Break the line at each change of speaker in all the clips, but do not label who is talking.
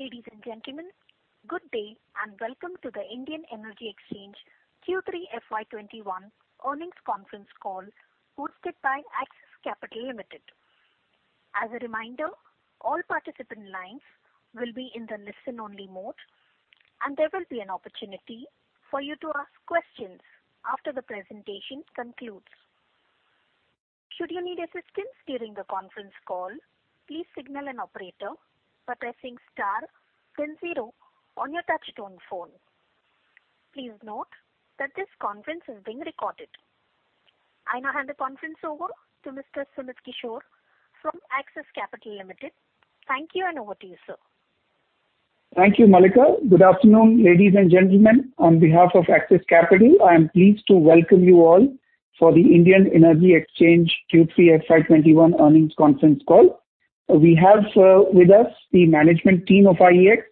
Ladies and gentlemen, good day, welcome to the Indian Energy Exchange Q3 FY 2021 earnings conference call hosted by Axis Capital Limited. As a reminder, all participant lines will be in the listen only mode. There will be an opportunity for you to ask questions after the presentation concludes. Should you need assistance during the conference call, please signal an operator by pressing star then zero on your touchtone phone. Please note that this conference is being recorded. I now hand the conference over to Mr. Sumit Kishore from Axis Capital Limited. Thank you. Over to you, sir.
Thank you, Mallika. Good afternoon, ladies and gentlemen. On behalf of Axis Capital, I am pleased to welcome you all for the Indian Energy Exchange Q3 FY 2021 earnings conference call. We have with us the management team of IEX,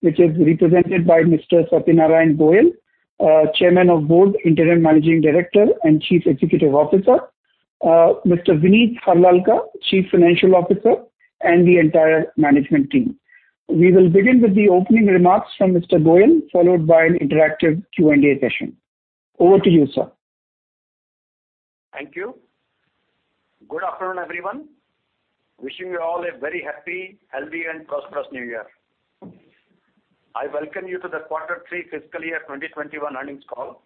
which is represented by Mr. Satyanarayan Goel, Chairman of Board, Interim Managing Director, and Chief Executive Officer, Mr. Vineet Harlalka, Chief Financial Officer, and the entire management team. We will begin with the opening remarks from Mr. Goel, followed by an interactive Q&A session. Over to you, sir.
Thank you. Good afternoon, everyone. Wishing you all a very happy, healthy, and prosperous new year. I welcome you to the quarter three fiscal year 2021 earnings call.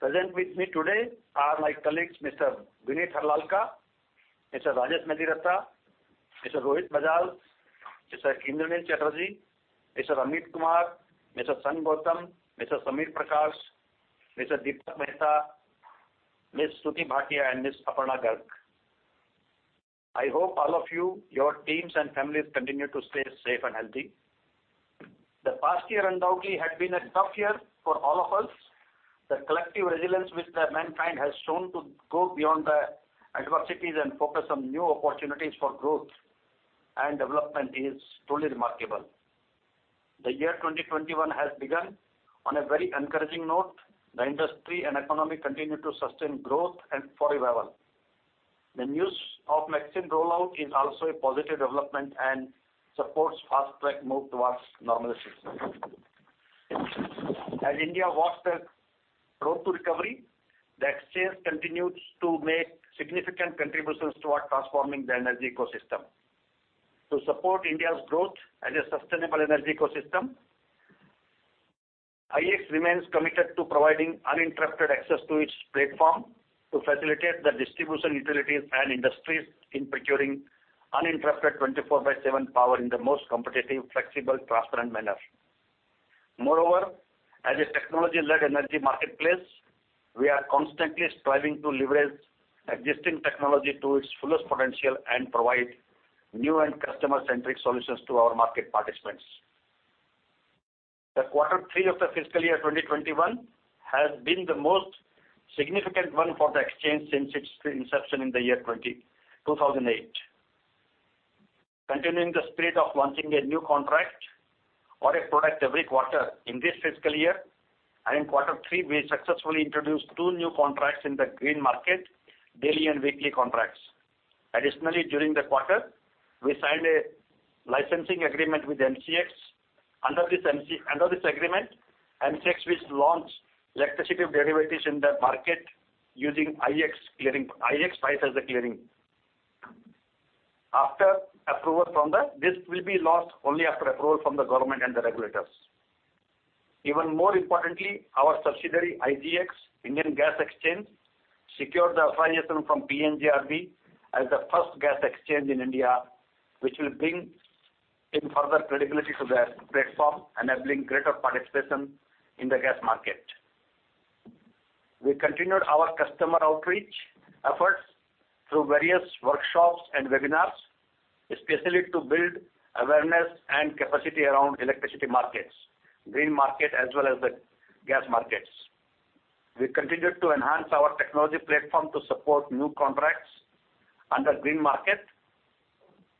Present with me today are my colleagues, Mr. Vineet Harlalka, Mr. Rajesh Mediratta, Mr. Rohit Bajaj, Mr. Indranil Chatterjee, Mr. Amit Kumar, Mr. Sangh Gautam, Mr. Samir Prakash, Mr. Deepak Mehta, Ms. Shruti Bhatia, and Ms. Aparna Garg. I hope all of you, your teams, and families continue to stay safe and healthy. The past year undoubtedly had been a tough year for all of us. The collective resilience which the mankind has shown to go beyond the adversities and focus on new opportunities for growth and development is truly remarkable. The year 2021 has begun on a very encouraging note. The industry and economy continue to sustain growth and for revival. The news of vaccine rollout is also a positive development and supports fast track move towards normalcy. As India walks the road to recovery, the exchange continues to make significant contributions towards transforming the energy ecosystem. To support India's growth as a sustainable energy ecosystem, IEX remains committed to providing uninterrupted access to its platform to facilitate the distribution utilities and industries in procuring uninterrupted 24/7 power in the most competitive, flexible, transparent manner. As a technology-led energy marketplace, we are constantly striving to leverage existing technology to its fullest potential and provide new and customer-centric solutions to our market participants. The quarter three of the fiscal year 2021 has been the most significant one for the exchange since its inception in the year 2008. Continuing the spirit of launching a new contract or a product every quarter in this fiscal year, in quarter three, we successfully introduced two new contracts in the green market, daily and weekly contracts. Additionally, during the quarter, we signed a licensing agreement with MCX. Under this agreement, MCX will launch electricity derivatives in the market using IEX price as the clearing. This will be launched only after approval from the government and the regulators. Even more importantly, our subsidiary, IGX, Indian Gas Exchange, secured the affiliation from PNGRB as the first gas exchange in India, which will bring in further credibility to the platform, enabling greater participation in the gas market. We continued our customer outreach efforts through various workshops and webinars, especially to build awareness and capacity around electricity markets, green market, as well as the gas markets. We continued to enhance our technology platform to support new contracts under green market.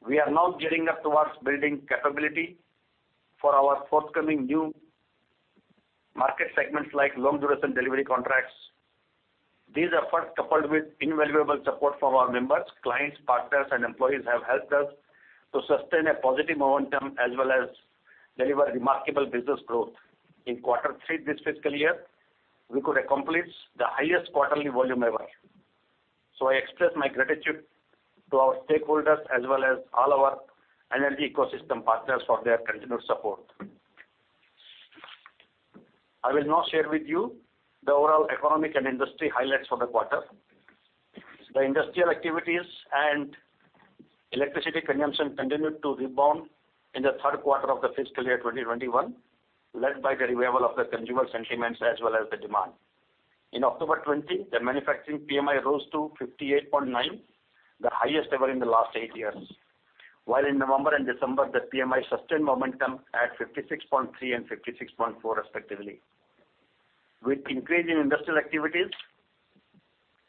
We are now gearing up towards building capability for our forthcoming new market segments like long duration delivery contracts. These efforts, coupled with invaluable support from our members, clients, partners, and employees, have helped us to sustain a positive momentum as well as deliver remarkable business growth. In quarter three this fiscal year, we could accomplish the highest quarterly volume ever. I express my gratitude to our stakeholders as well as all our energy ecosystem partners for their continued support. I will now share with you the overall economic and industry highlights for the quarter. The industrial activities and electricity consumption continued to rebound in the third quarter of the fiscal year 2021, led by the revival of the consumer sentiments as well as the demand. In October 20, the manufacturing PMI rose to 58.9, the highest ever in the last eight years. In November and December, the PMI sustained momentum at 56.3 and 56.4 respectively. With increase in industrial activities,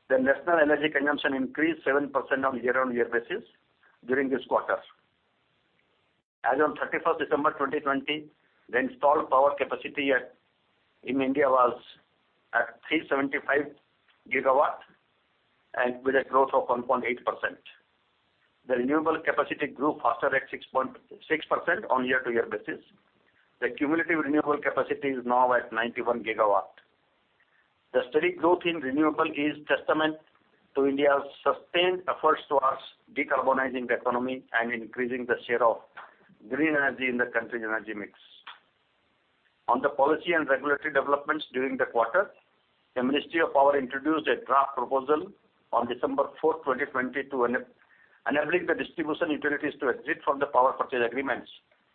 the national energy consumption increased 7% on year-on-year basis during this quarter. As on 31st December 2020, the installed power capacity in India was at 375 GW. With a growth of 1.8%. The renewable capacity grew faster at 6.6% on year-to-year basis. The cumulative renewable capacity is now at 91 GW. The steady growth in renewable is testament to India's sustained efforts towards decarbonizing the economy and increasing the share of green energy in the country's energy mix. On the policy and regulatory developments during the quarter, the Ministry of Power introduced a draft proposal on December 4, 2020, enabling the distribution utilities to exit from the power purchase agreements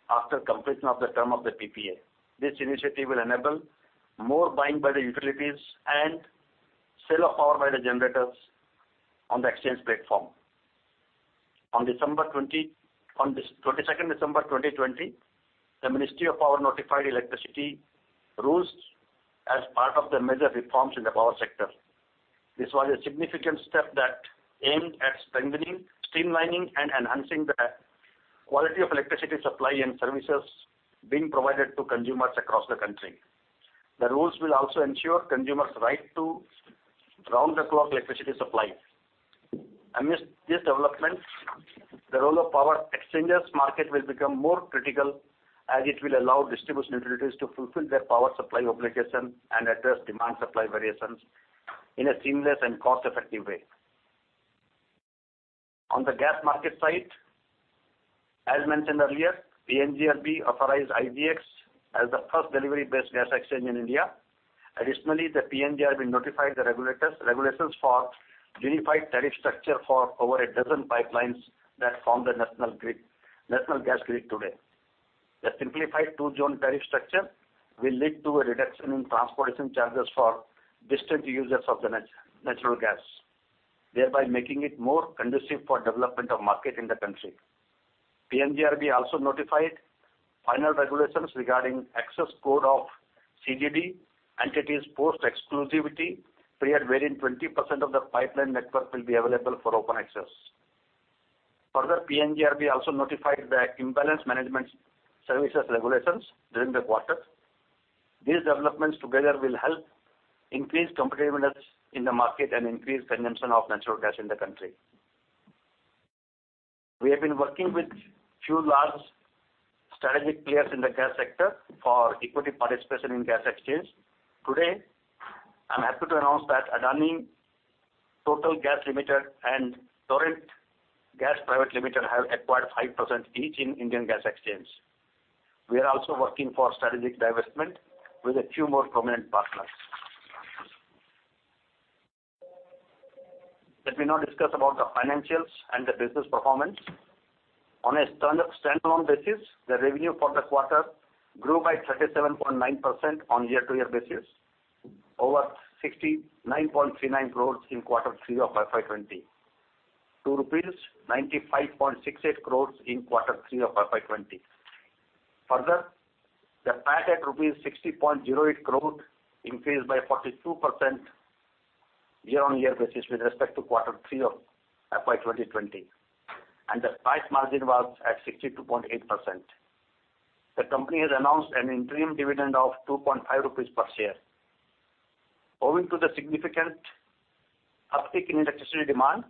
after completion of the term of the PPA. This initiative will enable more buying by the utilities and sale of power by the generators on the exchange platform. On 22nd December 2020, the Ministry of Power notified electricity rules as part of the major reforms in the power sector. This was a significant step that aimed at strengthening, streamlining, and enhancing the quality of electricity supply and services being provided to consumers across the country. The rules will also ensure consumers' right to round-the-clock electricity supply. Amidst these developments, the role of power exchanges market will become more critical as it will allow distribution utilities to fulfill their power supply obligation and address demand-supply variations in a seamless and cost-effective way. On the gas market side, as mentioned earlier, PNGRB authorized IGX as the first delivery-based gas exchange in India. Additionally, the PNGRB notified the regulations for unified tariff structure for over a dozen pipelines that form the national gas grid today. The simplified two-zone tariff structure will lead to a reduction in transportation charges for distant users of the natural gas, thereby making it more conducive for development of market in the country. PNGRB also notified final regulations regarding access code of CGD entities post exclusivity period wherein 20% of the pipeline network will be available for open access. PNGRB also notified the imbalance management services regulations during the quarter. These developments together will help increase competitiveness in the market and increase consumption of natural gas in the country. We have been working with few large strategic players in the gas sector for equity participation in Indian Gas Exchange. Today, I'm happy to announce that Adani Total Gas Limited and Torrent Gas Private Limited have acquired 5% each in Indian Gas Exchange. We are also working for strategic divestment with a few more prominent partners. Let me now discuss about the financials and the business performance. On a standalone basis, the revenue for the quarter grew by 37.9% on year-to-year basis, over 69.39 crore in quarter three of FY 2020 to rupees 95.68 crore in quarter three of FY 2020. Further, the PAT at rupees 60.08 crore increased by 42% year-on-year basis with respect to quarter three of FY 2020, and the price margin was at 62.8%. The company has announced an interim dividend of 2.5 rupees per share. Owing to the significant uptick in electricity demand,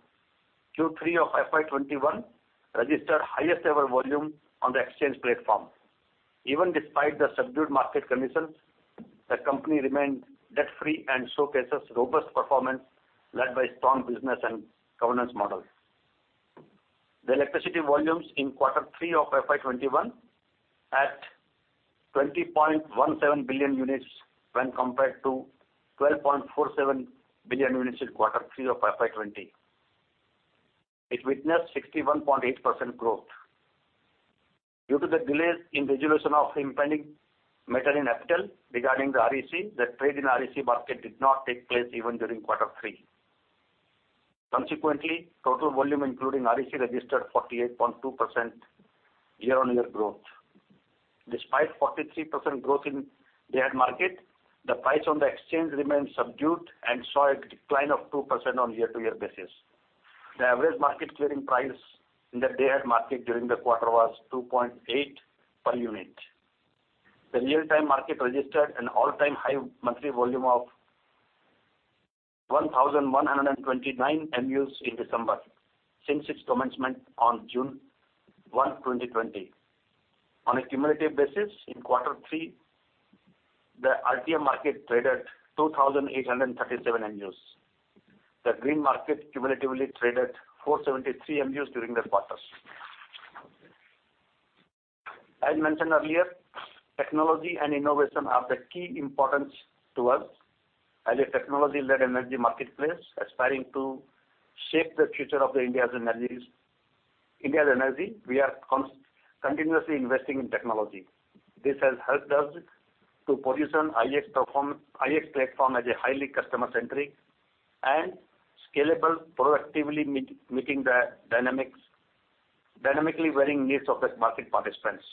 Q3 of FY 2021 registered highest ever volume on the exchange platform. Even despite the subdued market conditions, the company remained debt-free and showcases robust performance led by strong business and governance model. The electricity volumes in Q3 of FY 2021 at 20.17 billion units when compared to 12.47 billion units in Q3 of FY 2020. It witnessed 61.8% growth. Due to the delays in resolution of impending matter in FTIL regarding the REC, the trade in REC market did not take place even during Q3. Consequently, total volume including REC registered 48.2% year-on-year growth. Despite 43% growth in Day-Ahead Market, the price on the exchange remained subdued and saw a decline of 2% on year-to-year basis. The average market clearing price in the Day-Ahead Market during the quarter was 2.8 per unit. The Real-Time Market registered an all-time high monthly volume of 1,129 MUs in December since its commencement on June 1, 2020. On a cumulative basis, in quarter three, the RTM market traded 2,837 MUs. The Green market cumulatively traded 473 MUs during the quarter. As mentioned earlier, technology and innovation are of key importance to us. As a technology-led energy marketplace aspiring to shape the future of India's energy, we are continuously investing in technology. This has helped us to position IEX platform as a highly customer-centric and scalable, dynamically meeting the dynamically varying needs of the market participants.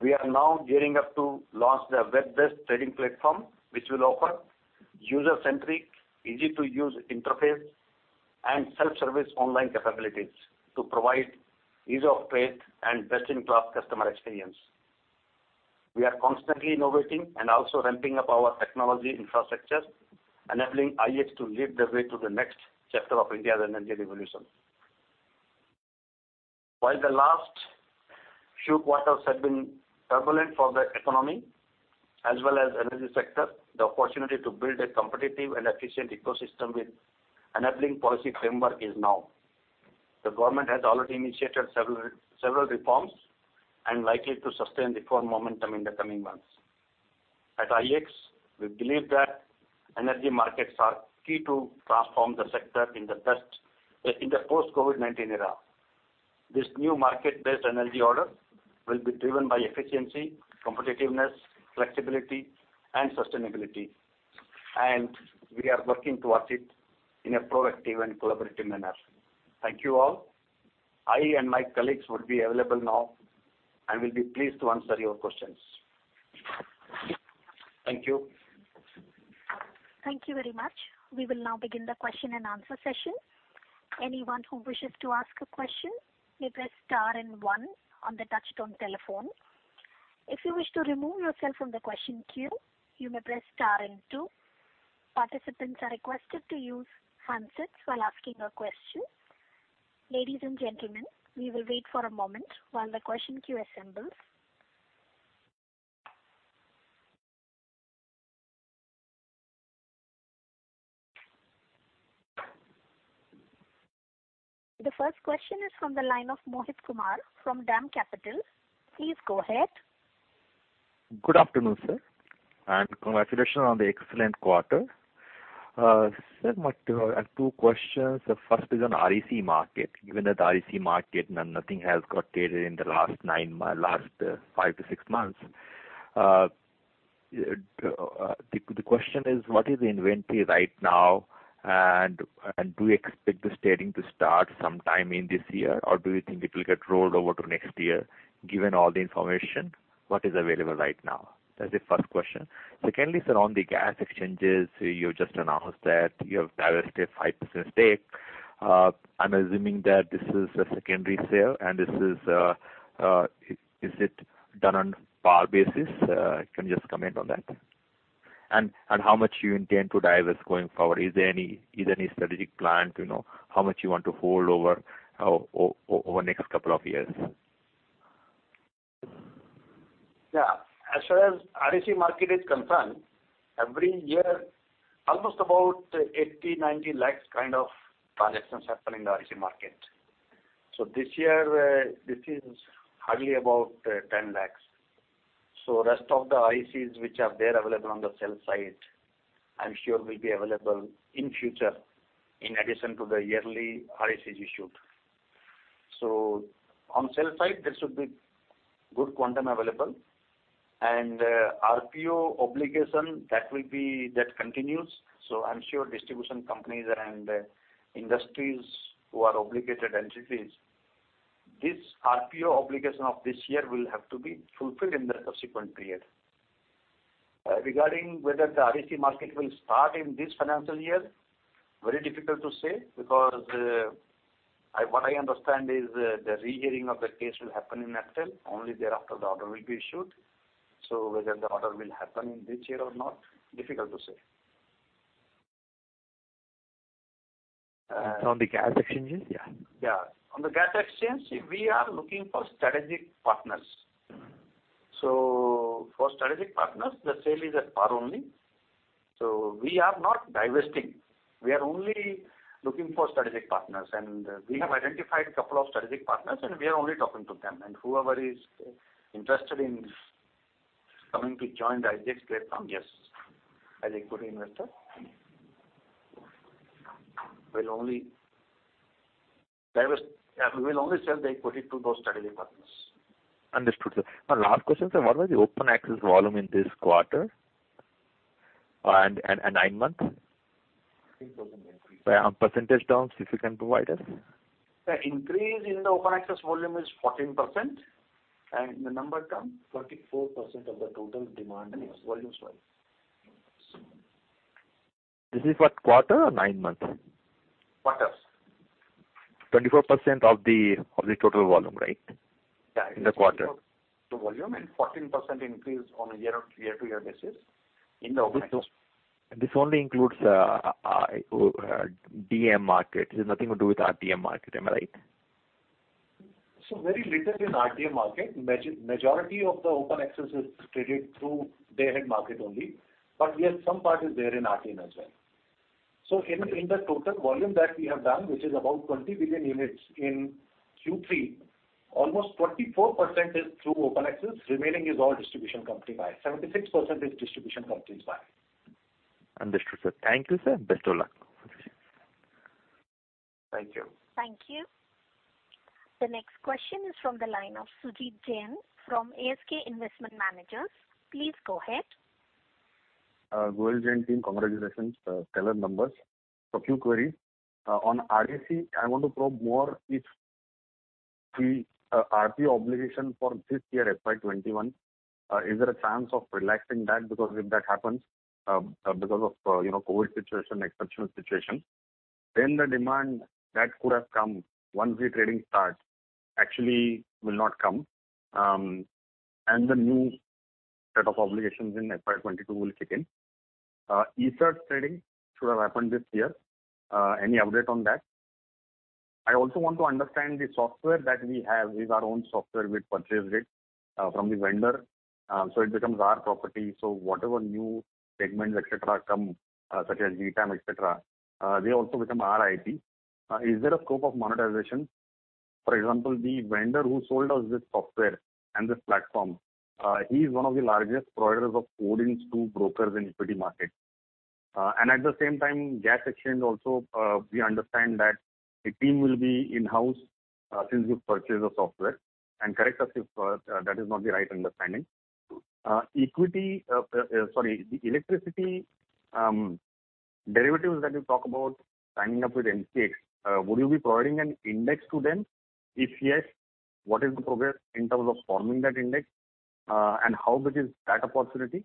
We are now gearing up to launch the web-based trading platform, which will offer user-centric, easy-to-use interface, and self-service online capabilities to provide ease of trade and best-in-class customer experience. We are constantly innovating and also ramping up our technology infrastructure, enabling IEX to lead the way to the next chapter of India's energy revolution. While the last few quarters have been turbulent for the economy as well as energy sector, the opportunity to build a competitive and efficient ecosystem with enabling policy framework is now. The government has already initiated several reforms and likely to sustain reform momentum in the coming months. At IEX, we believe that energy markets are key to transform the sector in the post-COVID-19 era. This new market-based energy order will be driven by efficiency, competitiveness, flexibility, and sustainability, and we are working towards it in a proactive and collaborative manner. Thank you all. I and my colleagues will be available now and will be pleased to answer your questions. Thank you.
Thank you very much. We will now begin the question and answer session. Anyone who wishes to ask a question, may press star and one on the touchtone telephone. If you wish to remove yourself from the question queue, you may press star and two. Participants are requested to use handsets while asking a question. Ladies and gentlemen, we will wait for a moment while the question queue assembles. The first question is from the line of Mohit Kumar from DAM Capital. Please go ahead.
Good afternoon, sir, and congratulations on the excellent quarter. Sir, I have two questions. The first is on REC market. Given that REC market, nothing has got traded in the last five to six months. The question is, what is the inventory right now? Do you expect the trading to start sometime in this year, or do you think it will get rolled over to next year? Given all the information, what is available right now? That's the first question. Secondly, sir, on the gas exchanges, you just announced that you have divested 5% stake. I'm assuming that this is a secondary sale. Is it done on par basis? Can you just comment on that? How much you intend to divest going forward? Is there any strategic plan to know how much you want to hold over next couple of years?
As far as REC market is concerned, every year, almost about 80 lakhs-90 lakhs kind of transactions happen in the REC market. This year, this is hardly about 10 lakhs. Rest of the RECs which are there available on the sell side, I'm sure will be available in future, in addition to the yearly RECs issued. On sell side, there should be good quantum available. RPO obligation, that continues. I'm sure distribution companies and industries who are obligated entities, this RPO obligation of this year will have to be fulfilled in the subsequent period. Whether the REC market will start in this financial year, very difficult to say because what I understand is the re-hearing of the case will happen in October, only thereafter the order will be issued. Whether the order will happen in this year or not, difficult to say.
On the gas exchanges? Yeah.
Yeah. On the Gas Exchange, we are looking for strategic partners. For strategic partners, the sale is at par only. We are not divesting. We are only looking for strategic partners. We have identified couple of strategic partners, and we are only talking to them. Whoever is interested in coming to join the IEX platform, yes, as equity investor. We'll only sell the equity to those strategic partners.
Understood, sir. My last question, sir, what was the open access volume in this quarter and nine months?
14% increase.
Percentage terms, if you can provide us.
Sir, increase in the open access volume is 14%, and in the number term? 24% of the total demand volumes wise.
This is what, quarter or nine months?
Quarters.
24% of the total volume, right?
Yeah.
In the quarter.
The volume, and 14% increase on a year-over-year basis in the open access.
This only includes DAM market. It has nothing to do with RTM market, am I right?
Very little in RTM market. Majority of the open access is traded through Day-Ahead Market only. Yes, some part is there in RTM as well. In the total volume that we have done, which is about 20 billion units in Q3, almost 24% is through open access, remaining is all DISCOMs buy. 76% is DISCOMs buy.
Understood, sir. Thank you, sir. Best of luck.
Thank you.
Thank you. The next question is from the line of Sujit Jain from ASK Investment Managers. Please go ahead.
Goel and team, congratulations. Stellar numbers. Few queries. On REC, I want to probe more if RPO obligation for this year, FY 2021, is there a chance of relaxing that? Because if that happens, because of COVID situation, exceptional situation. The demand that could have come once the trading starts actually will not come. The new set of obligations in FY 2022 will kick in. ESCert trading should have happened this year. Any update on that? I also want to understand the software that we have, is our own software, we purchased it from the vendor, so it becomes our property. Whatever new segments, et cetera, come, such as GTAM, et cetera, they also become our IP. Is there a scope of monetization? For example, the vendor who sold us this software and this platform, he is one of the largest providers of to brokers in equity market. At the same time, gas exchange also, we understand that the team will be in-house since we purchased the software. Correct us if that is not the right understanding. The electricity derivatives that you talk about signing up with MCX, would you be providing an index to them? If yes, what is the progress in terms of forming that index, and how big is that opportunity?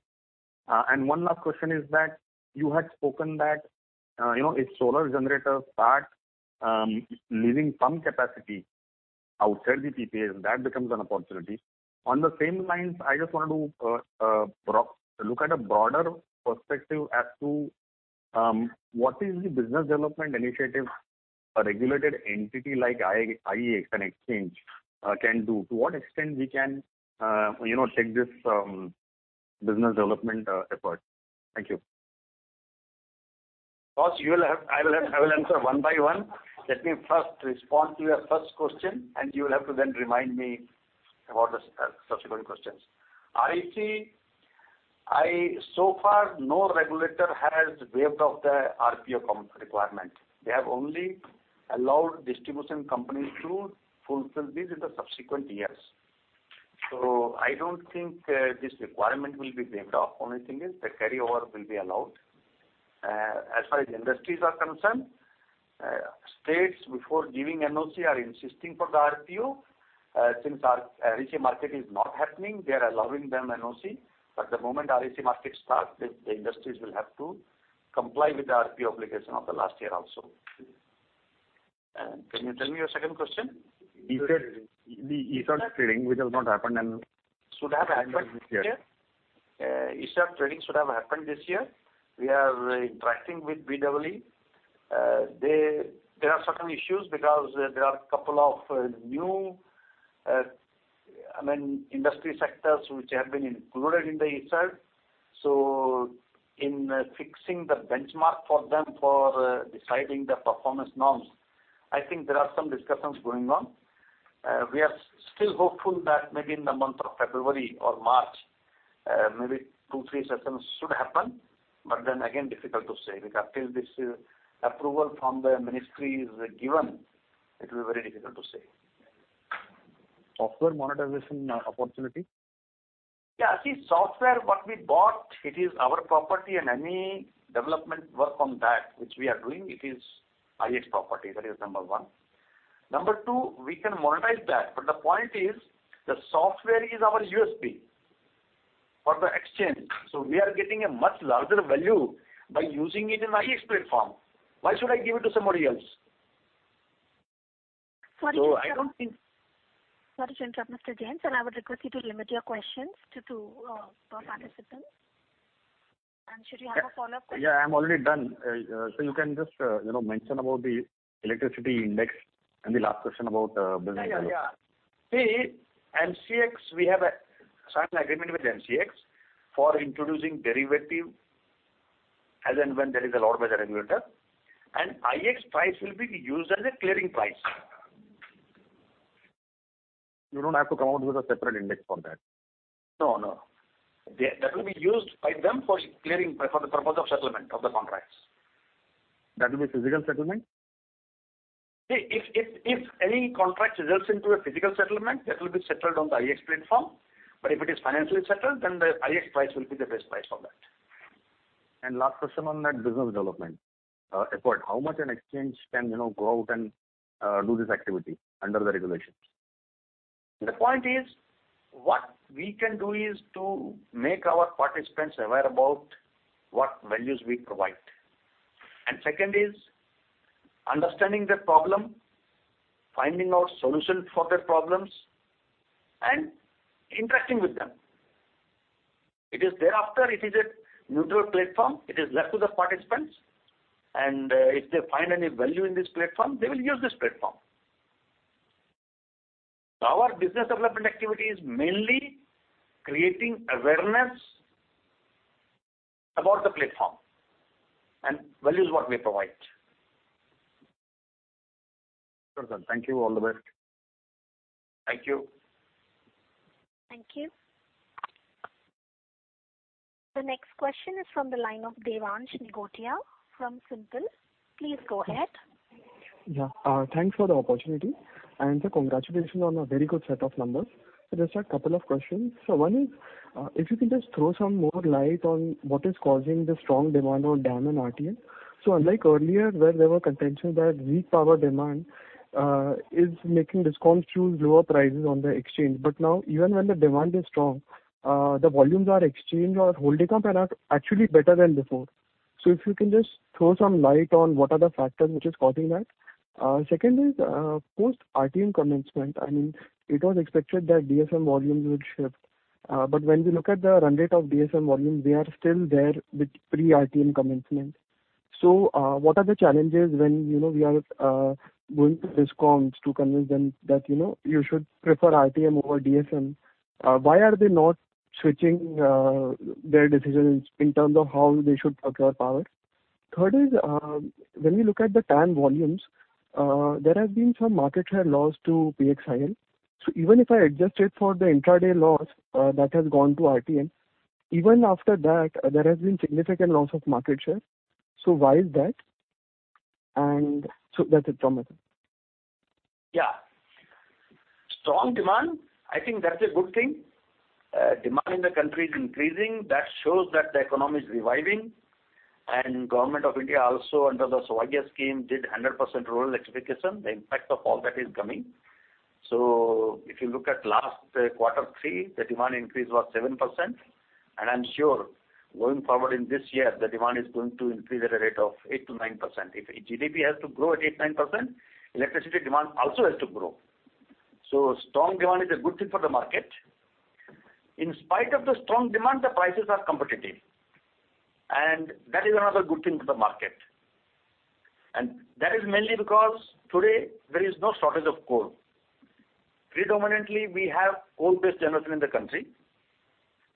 One last question is that you had spoken that if solar generators start leaving some capacity outside the PPAs, that becomes an opportunity. On the same lines, I just wanted to look at a broader perspective as to what is the business development initiative a regulated entity like IEX, an exchange, can do. To what extent we can take this business development effort. Thank you.
Boss, I will answer one by one. Let me first respond to your first question, and you will have to then remind me about the subsequent questions. So far, no regulator has waved off the RPO requirement. They have only allowed distribution companies to fulfill this in the subsequent years. I don't think this requirement will be waved off. Only thing is, the carryover will be allowed. As far as the industries are concerned, states, before giving NOC, are insisting for the RPO. Since our REC market is not happening, they are allowing them NOC. The moment REC market starts, the industries will have to comply with the RPO obligation of the last year also. Can you tell me your second question?
The ESCert trading, which has not happened.
Should have happened this year. ESCert trading should have happened this year. We are interacting with BEE. There are certain issues because there are a couple of new industry sectors which have been included in the ESCert. In fixing the benchmark for them for deciding the performance norms, I think there are some discussions going on. We are still hopeful that maybe in the month of February or March, maybe two, three sessions should happen. Difficult to say, because until this approval from the Ministry is given, it will be very difficult to say.
Software monetization opportunity.
Yeah. See, software, what we bought, it is our property. Any development work on that which we are doing, it is IEX property. That is number one. Number two, we can monetize that. The point is, the software is our USP for the exchange. We are getting a much larger value by using it in IEX platform. Why should I give it to somebody else?
Sorry to interrupt, Mr. Jain, I would request you to limit your questions to per participant. Should you have a follow-up question.
Yeah, I'm already done. You can just mention about the electricity index and the last question about business development.
Yeah. See, MCX, we have signed an agreement with MCX for introducing derivative as and when there is an order by the regulator, and IEX price will be used as a clearing price.
You don't have to come out with a separate index for that?
No. That will be used by them for clearing, for the purpose of settlement of the contracts.
That will be physical settlement?
If any contract results into a physical settlement, that will be settled on the IEX platform. If it is financially settled, then the IEX price will be the best price for that.
Last question on that business development effort. How much an exchange can go out and do this activity under the regulations?
The point is, what we can do is to make our participants aware about what values we provide. Second is understanding their problem, finding out solutions for their problems, and interacting with them. Thereafter, it is a neutral platform. It is left to the participants, and if they find any value in this platform, they will use this platform. Our business development activity is mainly creating awareness about the platform and values what we provide.
Sure, sir. Thank you. All the best.
Thank you.
Thank you. The next question is from the line of Devansh Gotia from Simpl. Please go ahead.
Yeah. Thanks for the opportunity. Sir, congratulations on a very good set of numbers. Just a couple of questions. One is, if you can just throw some more light on what is causing the strong demand on DAM and RTM. Unlike earlier, where there were contentions that weak power demand is making DISCOMs choose lower prices on the exchange. Now, even when the demand is strong, the volumes are exchanged or holding up and are actually better than before. If you can just throw some light on what are the factors which is causing that. Second is, post RTM commencement, I mean, it was expected that DSM volumes would shift. When we look at the run rate of DSM volumes, they are still there with pre-RTM commencement. What are the challenges when we are going to DISCOMs to convince them that you should prefer RTM over DSM? Why are they not switching their decisions in terms of how they should procure power? Third is, when we look at the TAM volumes, there has been some market share loss to PXIL. Even if I adjusted for the intraday loss that has gone to RTM, even after that, there has been significant loss of market share. That's it from my side.
Yeah. Strong demand, I think that's a good thing. Demand in the country is increasing. That shows that the economy is reviving. Government of India also under the Saubhagya scheme did 100% rural electrification. The impact of all that is coming. If you look at last quarter three, the demand increase was 7%. I'm sure going forward in this year, the demand is going to increase at a rate of 8%-9%. If GDP has to grow at 8%-9%, electricity demand also has to grow. Strong demand is a good thing for the market. In spite of the strong demand, the prices are competitive. That is another good thing for the market. That is mainly because today there is no shortage of coal. Predominantly, we have coal-based generation in the country.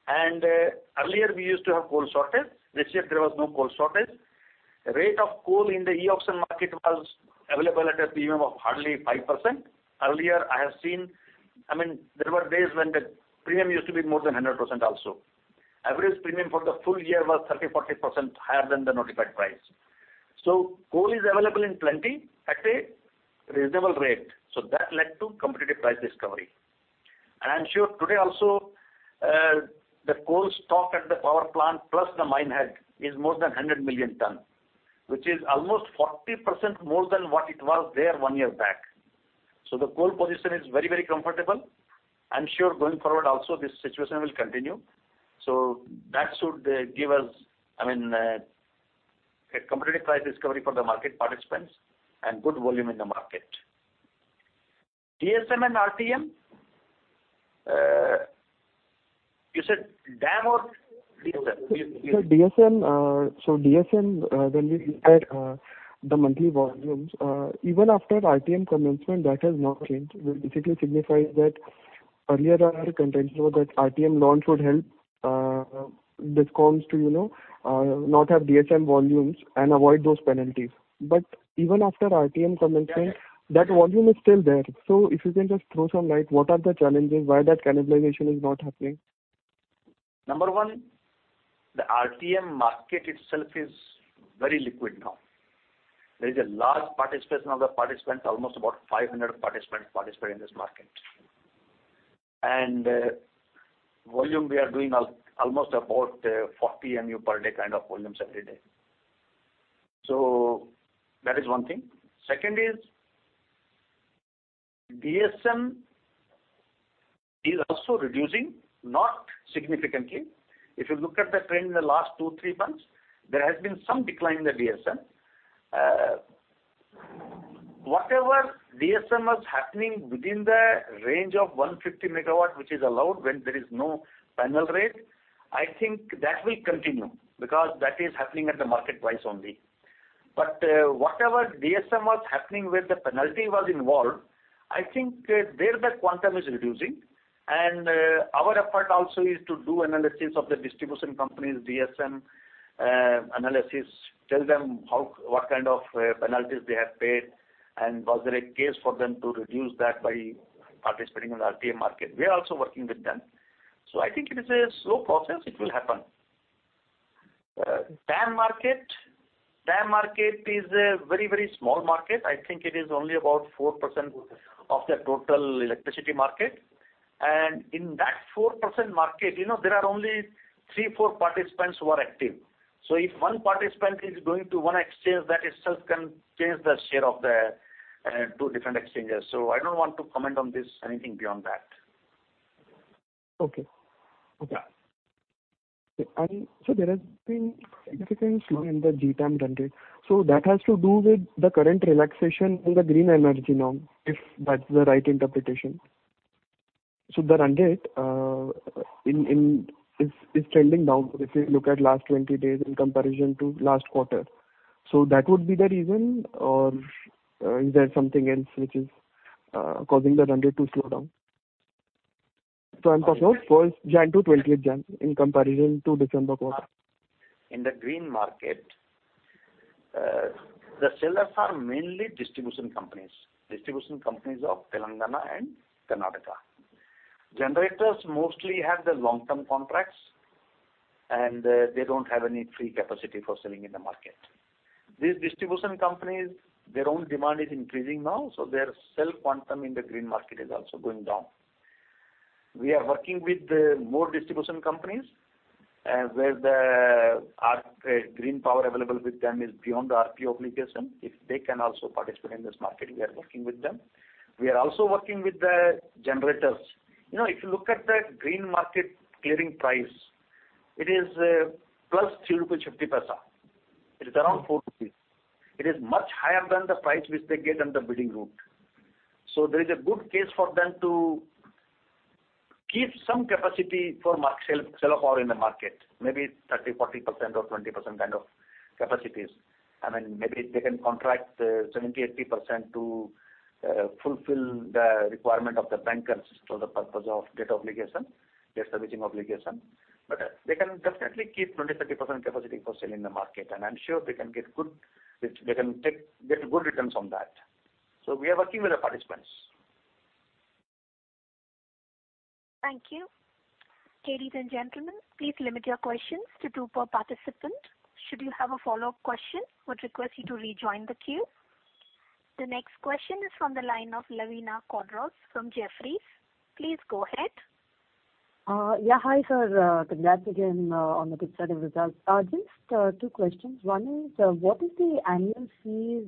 Earlier we used to have coal shortage. This year there was no coal shortage. Rate of coal in the e-auction market was available at a premium of hardly 5%. Earlier, I have seen, I mean, there were days when the premium used to be more than 100% also. Average premium for the full year was 30%-40% higher than the notified price. Coal is available in plenty at a reasonable rate. That led to competitive price discovery. I'm sure today also, the coal stock at the power plant plus the mine head is more than 100 million tons, which is almost 40% more than what it was there one year back. The coal position is very comfortable. I'm sure going forward also this situation will continue. That should give us a competitive price discovery for the market participants and good volume in the market. DSM and RTM? You said DAM or DSM?
Sir, DSM. DSM, when we look at the monthly volumes, even after RTM commencement, that has not changed, which basically signifies that earlier our contention was that RTM launch would help DISCOMs to not have DSM volumes and avoid those penalties. Even after RTM commencement, that volume is still there. If you can just throw some light, what are the challenges? Why that cannibalization is not happening?
Number one, the RTM market itself is very liquid now. There is a large participation of the participants, almost about 500 participants participate in this market. Volume we are doing almost about 40 MU per day kind of volumes every day. That is one thing. Second is, DSM is also reducing, not significantly. If you look at the trend in the last two, three months, there has been some decline in the DSM. Whatever DSM was happening within the range of 150 MW, which is allowed when there is no penalty rate, I think that will continue because that is happening at the market price only. Whatever DSM was happening where the penalty was involved, I think there the quantum is reducing. Our effort also is to do analysis of the Distribution Companies, DSM analysis, tell them what kind of penalties they have paid and was there a case for them to reduce that by participating in the RTM market. We are also working with them. I think it is a slow process. It will happen. DAM market. DAM market is a very small market. I think it is only about 4% of the total electricity market. In that 4% market, there are only three, four participants who are active. If one participant is going to one exchange, that itself can change the share of the two different exchanges. I don't want to comment on this, anything beyond that.
Okay.
Yeah.
There has been significant slow in the GTAM run rate. That has to do with the current relaxation in the green energy norm, if that's the right interpretation. The run rate is trending down. If we look at last 20 days in comparison to last quarter. That would be the reason or is there something else which is causing the run rate to slow down? I'm talking about January to 28th January in comparison to December quarter.
In the green market, the sellers are mainly distribution companies, distribution companies of Telangana and Karnataka. Generators mostly have the long-term contracts, and they don't have any free capacity for selling in the market. These distribution companies, their own demand is increasing now, so their sell quantum in the green market is also going down. We are working with more distribution companies, where the green power available with them is beyond the RPO obligation. If they can also participate in this market, we are working with them. We are also working with the generators. If you look at the green market clearing price, it is +3.50 rupees. It is around 4 rupees. It is much higher than the price which they get on the bidding route. There is a good case for them to keep some capacity for sell power in the market, maybe 30%-40% or 20% kind of capacities. Maybe they can contract 70%-80% to fulfill the requirement of the bankers for the purpose of debt servicing obligation. They can definitely keep 20%-30% capacity for sale in the market. I'm sure they can get good returns on that. We are working with the participants.
Thank you. Ladies and gentlemen, please limit your questions to two per participant. Should you have a follow-up question, would request you to rejoin the queue. The next question is from the line of Lavina Quadros from Jefferies. Please go ahead.
Yeah. Hi, sir. Congrats again on the good set of results. Just two questions. One is, what is the annual fees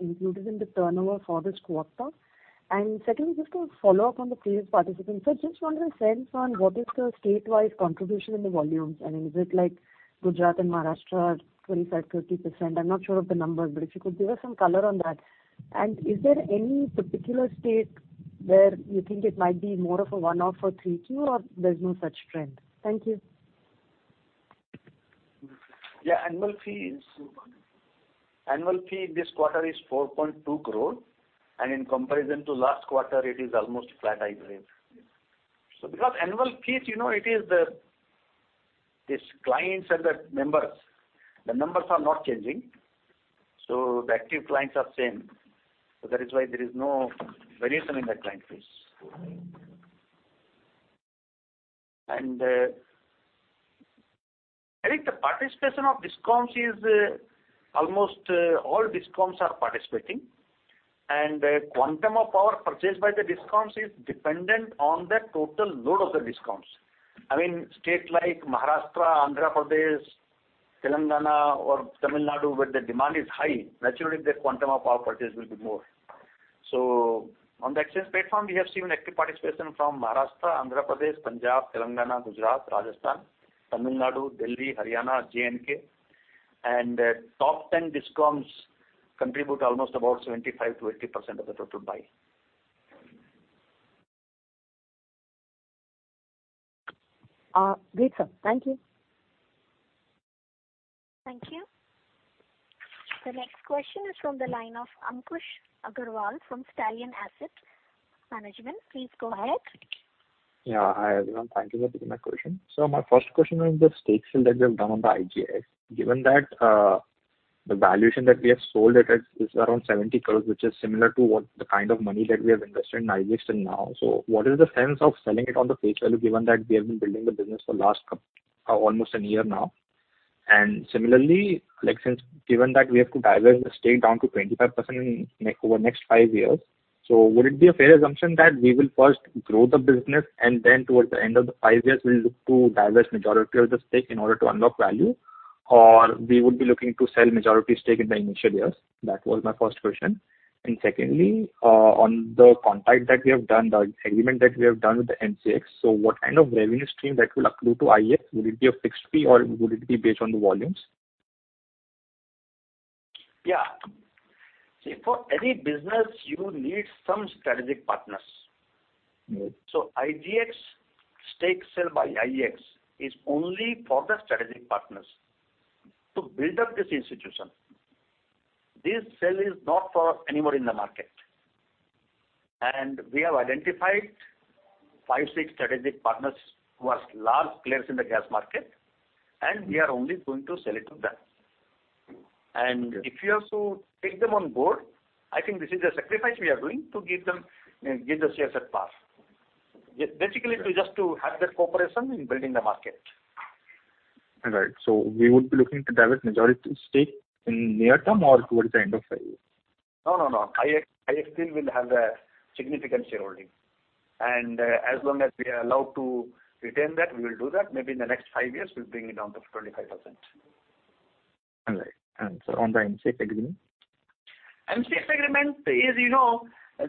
included in the turnover for this quarter? Secondly, just to follow up on the previous participant. Sir, just wanted a sense on what is the statewise contribution in the volumes, and is it like Gujarat and Maharashtra are 25%-30%? I'm not sure of the numbers, but if you could give us some color on that. Is there any particular state where you think it might be more of a one-off for 3Q or there's no such trend? Thank you.
Yeah. Annual fee in this quarter is 4.2 crore, in comparison to last quarter it is almost flat, I believe. Because annual fees, it is this clients and the members, the numbers are not changing. The active clients are same. That is why there is no variation in the client fees. I think the participation of DISCOMs is almost all DISCOMs are participating, and quantum of power purchased by the DISCOMs is dependent on the total load of the DISCOMs. States like Maharashtra, Andhra Pradesh, Telangana, or Tamil Nadu where the demand is high, naturally their quantum of power purchase will be more. On the exchange platform, we have seen active participation from Maharashtra, Andhra Pradesh, Punjab, Telangana, Gujarat, Rajasthan, Tamil Nadu, Delhi, Haryana, J&K. Top 10 DISCOMs contribute almost about 75%-80% of the total buy.
Great, sir. Thank you.
Thank you. The next question is from the line of Ankush Aggarwal from Stallion Asset Management. Please go ahead.
Yeah. Hi, everyone. Thank you for taking my question. My first question is the stake sale that you have done on the IGX. Given that the valuation that we have sold it at is around 70 crores, which is similar to what the kind of money that we have invested in IGX till now. What is the sense of selling it on the face value given that we have been building the business for last almost a year now? Similarly, since given that we have to dilute the stake down to 25% over next five years, would it be a fair assumption that we will first grow the business and then towards the end of the five years we'll look to dilute majority of the stake in order to unlock value? We would be looking to sell majority stake in the initial years? That was my first question. Secondly, on the contract that we have done, the agreement that we have done with the MCX, what kind of revenue stream that will accrue to IEX? Will it be a fixed fee or will it be based on the volumes?
Yeah. See, for any business, you need some strategic partners. Stake sale by IEX is only for the strategic partners to build up this institution. This sale is not for anyone in the market. We have identified five, six strategic partners who are large players in the gas market, and we are only going to sell it to them. If we have to take them on board, I think this is a sacrifice we are doing to give the CSS pass. Basically, it is just to have that cooperation in building the market.
All right. We would be looking to dilute majority stake in near term or towards the end of five years?
No, IEX still will have a significant shareholding. As long as we are allowed to retain that, we will do that. Maybe in the next five years, we'll bring it down to 25%.
All right. Sir, on the MCX agreement?
MCX agreement is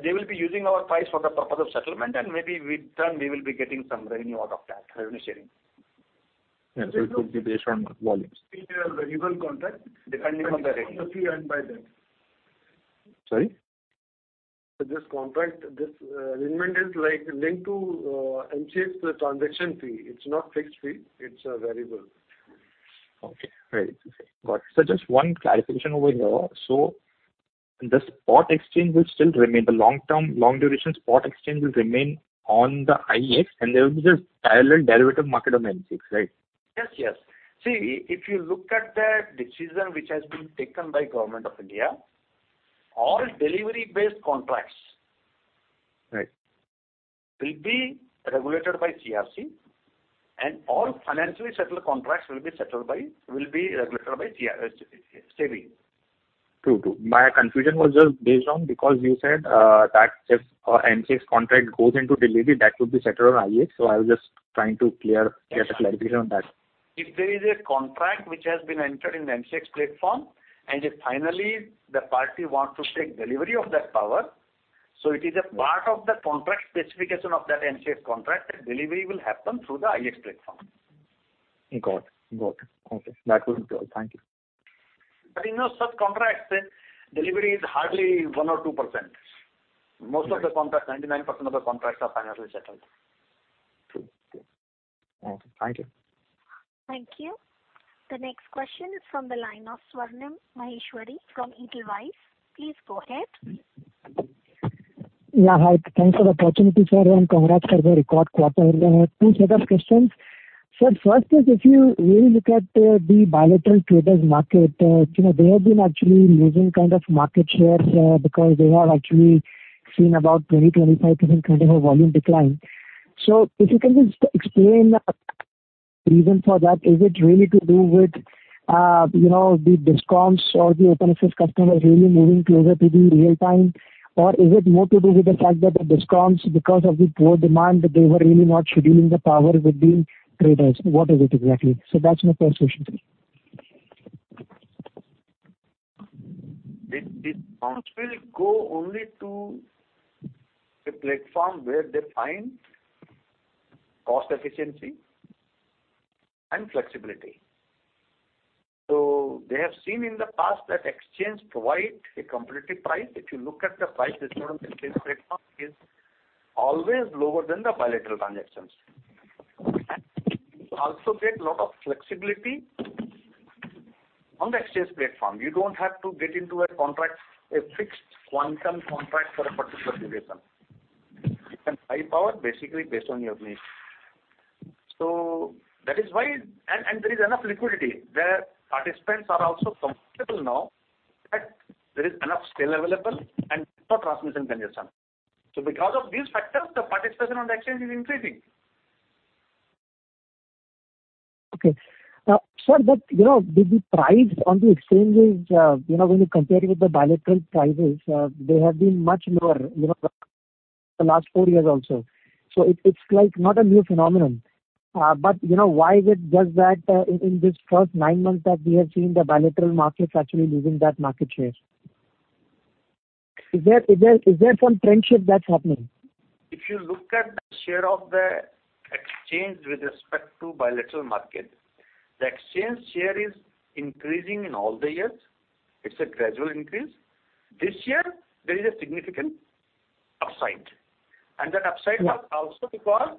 they will be using our price for the purpose of settlement. Maybe with time we will be getting some revenue out of that, revenue sharing.
Yeah. It could be based on volumes.
It's a variable contract.
Depending on the rate.
Fee earned by them.
Sorry?
This contract, this agreement is linked to MCX transaction fee. It's not fixed fee, it's a variable.
Okay, great. Got it. Sir, just one clarification over here. The spot exchange will still remain, the long duration spot exchange will remain on the IEX, and there will be this parallel derivative market on MCX, right?
Yes. See, if you look at the decision which has been taken by Government of India, all delivery-based contracts-
Right
Will be regulated by CERC, and all financially settled contracts will be regulated by SEBI.
True. My confusion was just based on because you said that if MCX contract goes into delivery, that would be settled on IEX. I was just trying to get a clarification on that.
If there is a contract which has been entered in the NCEX platform, and if finally the party want to take delivery of that power. It is a part of the contract specification of that NCEX contract, that delivery will happen through the IEX platform.
Got it. Okay. That was clear. Thank you.
In those subcontracts, delivery is hardly 1% or 2%. Most of the contracts, 99% of the contracts are finally settled.
True. Okay. Thank you.
Thank you. The next question is from the line of Swarnim Maheshwari from Edelweiss. Please go ahead.
Yeah, hi. Thanks for the opportunity, sir, and congrats for the record quarter. Two set of questions. Sir, first is, if you really look at the bilateral traders market, they have been actually losing market share because they have actually seen about 20%-25% kind of a volume decline. If you can just explain reason for that. Is it really to do with the DISCOMs or the open access customers really moving closer to the real time? Or is it more to do with the fact that the DISCOMs, because of the poor demand, they were really not scheduling the power with the traders? What is it exactly? That is my first question, sir.
The DISCOMs will go only to the platform where they find cost efficiency and flexibility. They have seen in the past that exchange provide a competitive price. If you look at the price discovered on the exchange platform, is always lower than the bilateral transactions. You also get lot of flexibility on the exchange platform. You don't have to get into a contract, a fixed quantum contract for a particular duration. You can buy power basically based on your need. There is enough liquidity. The participants are also comfortable now that there is enough scale available and for transmission congestion. Because of these factors, the participation on the exchange is increasing.
Okay. Sir, the price on the exchanges, when you compare it with the bilateral prices, they have been much lower, the last four years also. It's not a new phenomenon. Why is it just that in this first nine months that we have seen the bilateral markets actually losing that market share? Is there some trend shift that is happening?
If you look at the share of the exchange with respect to bilateral market, the exchange share is increasing in all the years. It's a gradual increase. This year, there is a significant upside. That upside was also because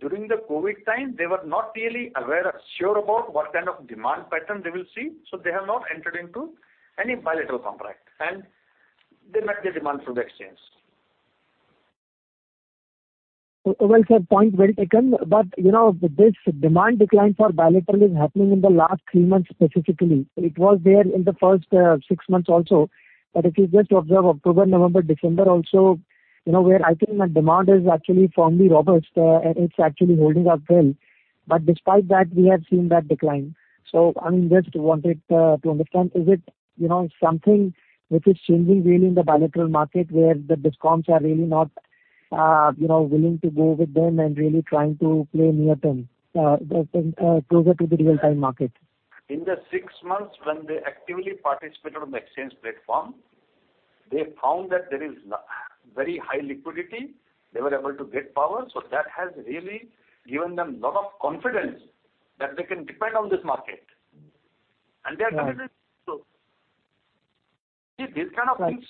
during the COVID time, they were not really aware or sure about what kind of demand pattern they will see, so they have not entered into any bilateral contract, and they met the demand through the exchange.
Well, sir, point well taken. This demand decline for bilateral is happening in the last three months, specifically. It was there in the first six months also. If you just observe October, November, December also, where I think demand is actually firmly robust, it's actually holding up well. Despite that, we have seen that decline. I just wanted to understand, is it something which is changing really in the bilateral market where the DISCOMs are really not willing to go with them and really trying to play near-term, closer to the Real-Time Market?
In the six months when they actively participated on the exchange platform, they found that there is very high liquidity. They were able to get power. That has really given them lot of confidence that they can depend on this market. They are committed to. See, these kind of things.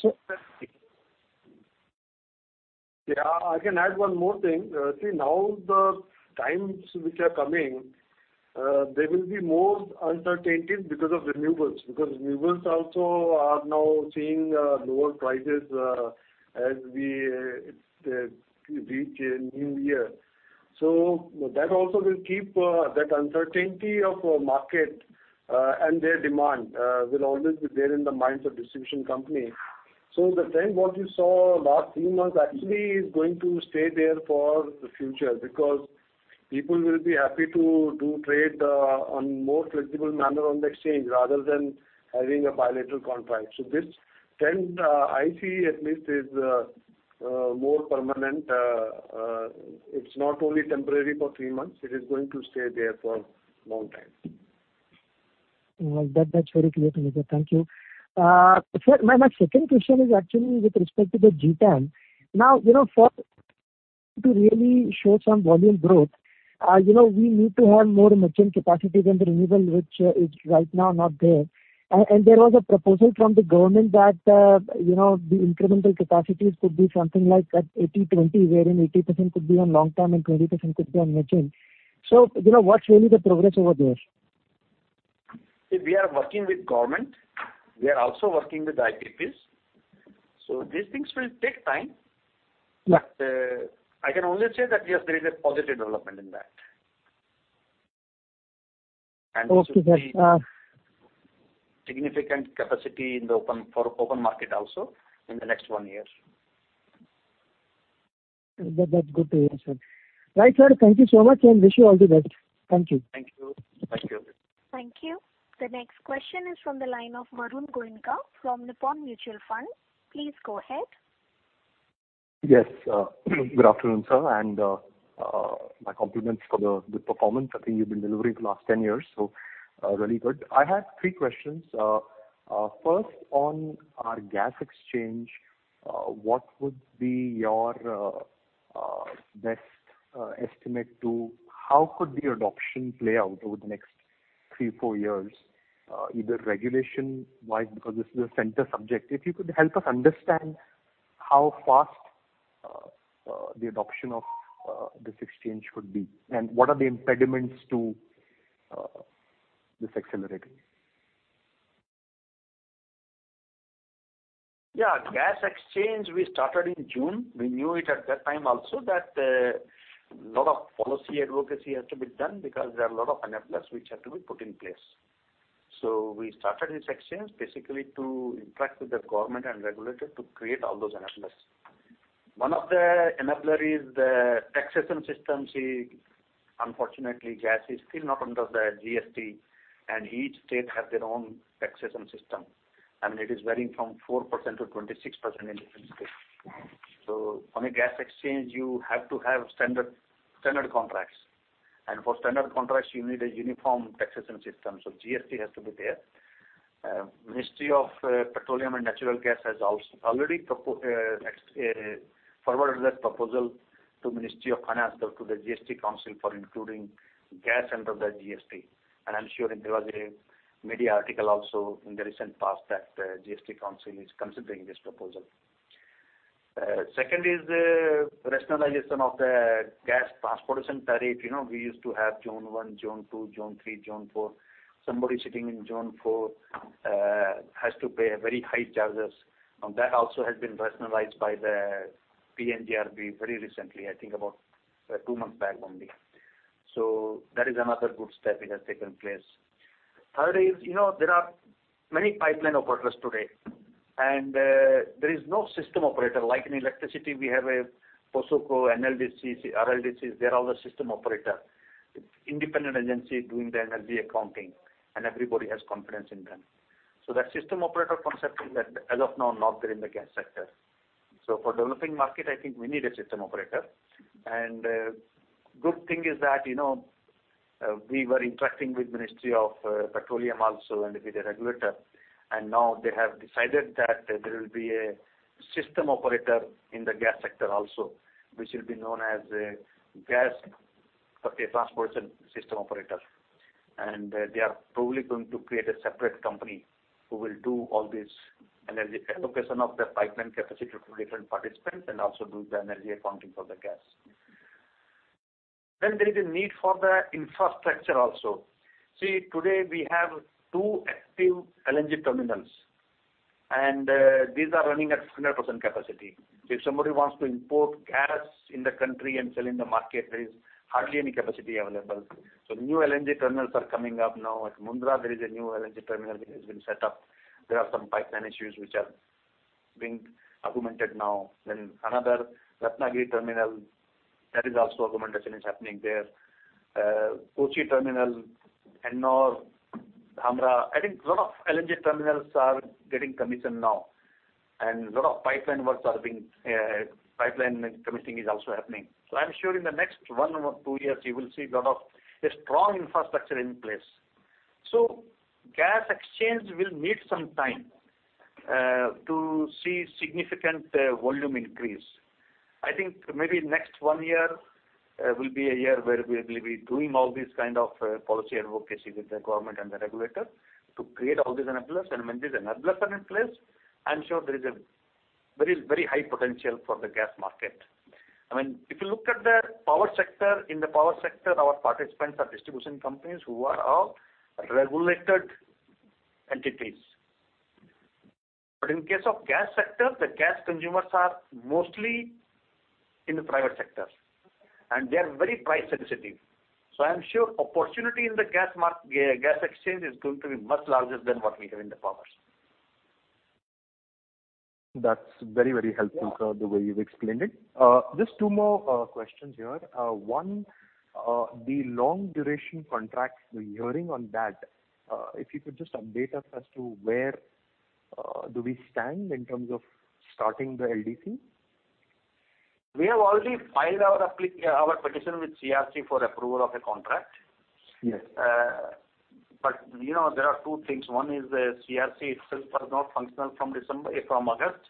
I can add one more thing. Now the times which are coming, there will be more uncertainties because of renewables, because renewables also are now seeing lower prices as we reach a new year. That also will keep that uncertainty of market, and their demand will always be there in the minds of DISCOM. The trend what you saw last three months actually is going to stay there for the future because people will be happy to do trade on more flexible manner on the exchange rather than having a bilateral contract. This trend, I see at least is more permanent. It's not only temporary for three months, it is going to stay there for long time.
Well, that's very clear to me, sir. Thank you. Sir, my second question is actually with respect to the GTAM. For to really show some volume growth, we need to have more merchant capacity than the renewable, which is right now not there. There was a proposal from the government that the incremental capacities could be something like at 80/20, wherein 80% could be on long-term and 20% could be on merchant. What's really the progress over there?
We are working with Government. We are also working with the IPPs. These things will take time.
Yeah.
I can only say that, yes, there is a positive development in that.
Okay, sir.
significant capacity for open market also in the next one year.
That's good to hear, sir. Right, sir. Thank you so much, and wish you all the best. Thank you.
Thank you.
Thank you. The next question is from the line of Varun Goenka from Nippon Mutual Fund. Please go ahead.
Yes. Good afternoon, sir. My compliments for the good performance I think you've been delivering for the last 10 years. Really good. I have three questions. First, on our gas exchange, what would be your best estimate to how could the adoption play out over the next three, four years, either regulation-wise, because this is a central subject. If you could help us understand how fast the adoption of this exchange should be, and what are the impediments to this accelerating?
Yeah. Gas Exchange, we started in June. We knew it at that time also that a lot of policy advocacy has to be done because there are a lot of enablers which have to be put in place. We started this exchange basically to interact with the government and regulator to create all those enablers. One of the enabler is the taxation systems. Unfortunately, gas is still not under the GST, and each state have their own taxation system. It is varying from 4%-26% in different states. On a Gas Exchange, you have to have standard contracts. For standard contracts, you need a uniform taxation system. GST has to be there. Ministry of Petroleum and Natural Gas has already forwarded a proposal to Ministry of Finance, though, to the GST Council for including gas under the GST. I'm sure there was a media article also in the recent past that GST Council is considering this proposal. Second is the rationalization of the gas transportation tariff. We used to have Zone 1, Zone 2, Zone 3, Zone 4. Somebody sitting in Zone 4 has to pay very high charges. That also has been rationalized by the PNGRB very recently, I think about two months back only. That is another good step it has taken place. Third is, there are many pipeline operators today, and there is no system operator. Like in electricity, we have a POSOCO, NLDCs, RLDCs. They're all the system operator. Independent agency doing the energy accounting, and everybody has confidence in them. That system operator concept is as of now, not there in the gas sector. For developing market, I think we need a system operator. Good thing is that we were interacting with Ministry of Petroleum also and with the regulator, and now they have decided that there will be a system operator in the gas sector also, which will be known as a gas transportation system operator. They are probably going to create a separate company who will do all this energy allocation of the pipeline capacity to different participants and also do the energy accounting for the gas. There is a need for the infrastructure also. See, today we have two active LNG terminals, and these are running at 100% capacity. If somebody wants to import gas in the country and sell in the market, there is hardly any capacity available. New LNG terminals are coming up now. At Mundra, there is a new LNG terminal which has been set up. There are some pipeline issues which are being augmented now. Another Ratnagiri terminal, that is also augmentation is happening there. Kochi terminal, Ennore, Dhamra. I think lot of LNG terminals are getting commissioned now. Lot of pipeline commissioning is also happening. I'm sure in the next one or two years, you will see a lot of a strong infrastructure in place. Gas exchange will need some time to see significant volume increase. I think maybe next one year will be a year where we will be doing all this kind of policy advocacy with the government and the regulator to create all these enablers. When these enablers are in place, I'm sure there is very high potential for the gas market. If you look at the power sector, in the power sector, our participants are distribution companies who are all regulated entities. In case of gas sector, the gas consumers are mostly in the private sector, and they are very price sensitive. I'm sure opportunity in the gas exchange is going to be much larger than what we have in the power.
That's very helpful.
Yeah
Sir, the way you've explained it. Just two more questions here. One, the Long Duration Contracts, the hearing on that, if you could just update us as to where do we stand in terms of starting the LDC?
We have already filed our petition with CERC for approval of a contract.
Yes.
There are two things. One is the CERC itself was not functional from August,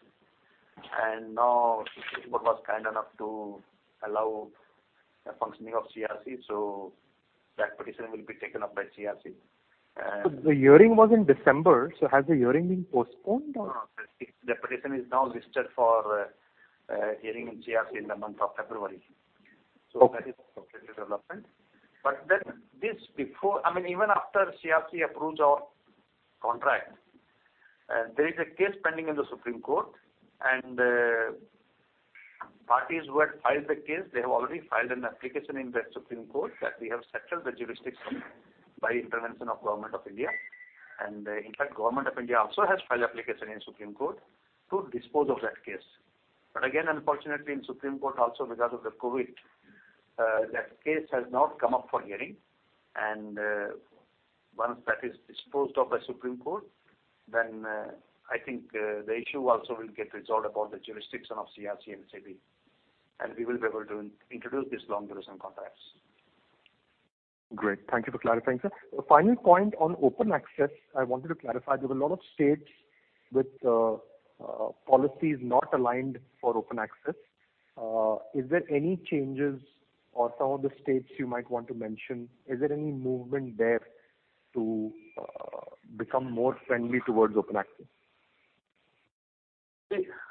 and now Supreme Court was kind enough to allow functioning of CERC, so that petition will be taken up by CERC.
The hearing was in December, so has the hearing been postponed or?
No. The petition is now listed for hearing in CERC in the month of February.
Okay.
That is a positive development. Even after CERC approves our contract, there is a case pending in the Supreme Court, and parties who had filed the case, they have already filed an application in the Supreme Court that we have settled the jurisdiction by intervention of Government of India. In fact, Government of India also has filed application in Supreme Court to dispose of that case. Unfortunately, in Supreme Court also because of the COVID, that case has not come up for hearing and once that is disposed of by Supreme Court, then I think the issue also will get resolved about the jurisdiction of CERC and CEB, and we will be able to introduce these Long Duration Contracts.
Great. Thank you for clarifying, sir. Final point on open access, I wanted to clarify. There were a lot of states with policies not aligned for open access. Are there any changes or some of the states you might want to mention? Is there any movement there to become more friendly towards open access?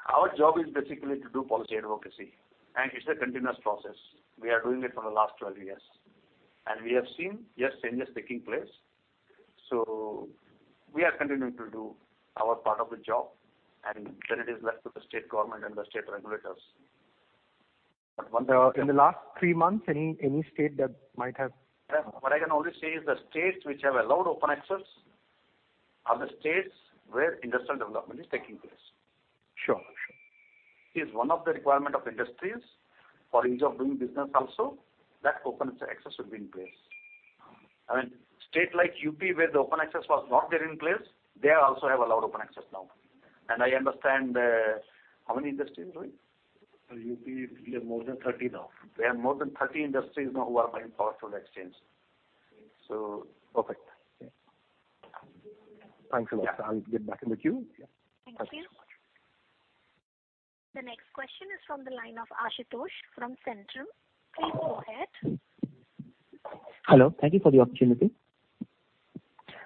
Our job is basically to do policy advocacy, and it's a continuous process. We are doing it for the last 12 years, and we have seen, yes, changes taking place. We are continuing to do our part of the job, and then it is left to the state government and the state regulators.
In the last three months, any state that might.
What I can only say is that states which have allowed open access are the states where industrial development is taking place.
Sure.
It is one of the requirement of industries for ease of doing business also that open access should be in place. A state like UP, where the open access was not there in place, they also have allowed open access now. I understand, how many industries, Rohit?
Sir, UP, we have more than 30 now.
We have more than 30 industries now who are buying power through the exchange.
Perfect. Thanks a lot.
Yeah.
I'll get back in the queue.
Yeah.
Thank you. The next question is from the line of Ashutosh from Centrum. Please go ahead.
Hello. Thank you for the opportunity.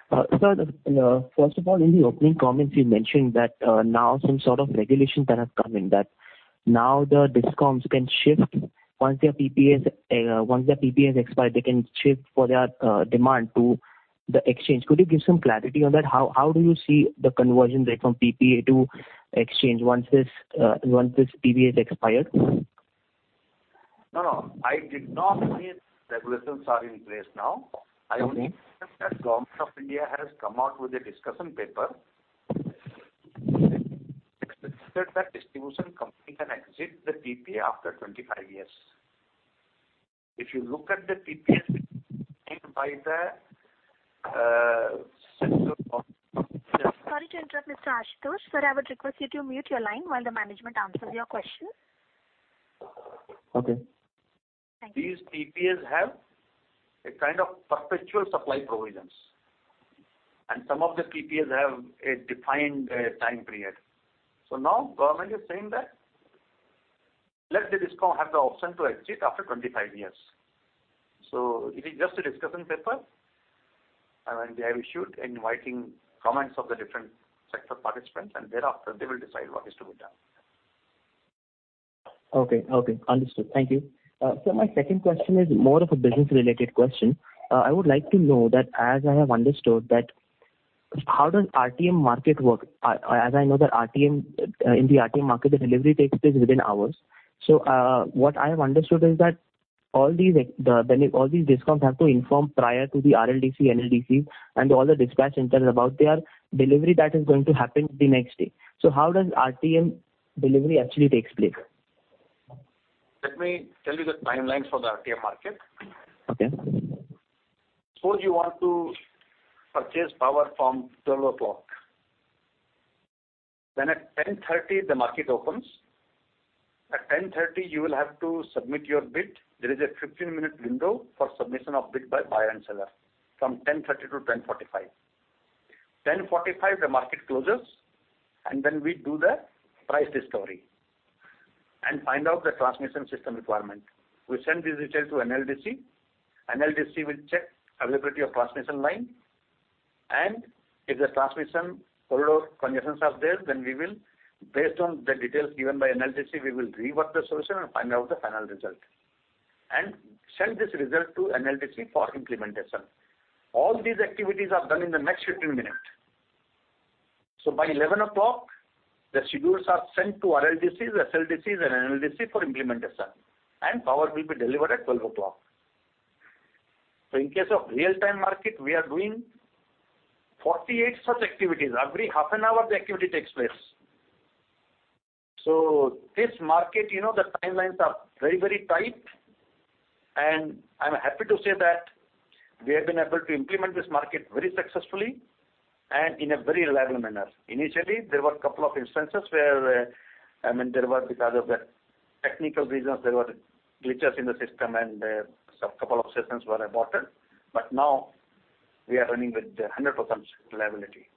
Sir, first of all, in the opening comments you mentioned that now some sort of regulations that have come in, that now the DISCOMs, once their PPAs expire, they can shift for their demand to the exchange. Could you give some clarity on that? How do you see the conversion rate from PPA to exchange once this PPA is expired?
No. I did not mean regulations are in place now.
Okay.
I only said that Government of India has come out with a discussion paper. It is stated that distribution company can exit the PPA after 25 years. If you look at the PPAs by the Central-
Sorry to interrupt, Mr. Ashutosh. Sir, I would request you to mute your line while the management answers your question.
Okay.
Thank you.
These PPAs have a kind of perpetual supply provisions, and some of the PPAs have a defined time period. now government is saying that, let the DISCOM have the option to exit after 25 years. it is just a discussion paper, and they have issued inviting comments of the different sector participants, and thereafter, they will decide what is to be done.
Okay. Understood. Thank you. Sir, my second question is more of a business-related question. I would like to know that as I have understood, how does RTM market work? As I know, in the RTM market, the delivery takes place within hours. What I have understood is that all these DISCOMs have to inform prior to the RLDC, NLDC, and all the dispatch centers about their delivery that is going to happen the next day. How does RTM delivery actually takes place?
Let me tell you the timelines for the RTM market.
Okay.
Suppose you want to purchase power from 12 o'clock. At 10:30, the market opens. At 10:30, you will have to submit your bid. There is a 15-minute window for submission of bid by buyer and seller, from 10:30-10:45. 10:45, the market closes, and then we do the price discovery and find out the transmission system requirement. We send these details to NLDC. NLDC will check availability of transmission line, and if the transmission overload congestions are there, then based on the details given by NLDC, we will rework the solution and find out the final result and send this result to NLDC for implementation. All these activities are done in the next 15 minutes. By 11 o'clock, the schedules are sent to RLDCs, SLDCs, and NLDC for implementation, and power will be delivered at 12 o'clock. in case of real-time market, we are doing 48 such activities. Every half an hour, the activity takes place. this market, the timelines are very tight, and I'm happy to say that we have been able to implement this market very successfully and in a very reliable manner. Initially, there were a couple of instances where, because of the technical reasons, there were glitches in the system, and a couple of sessions were aborted. now we are running with 100% reliability.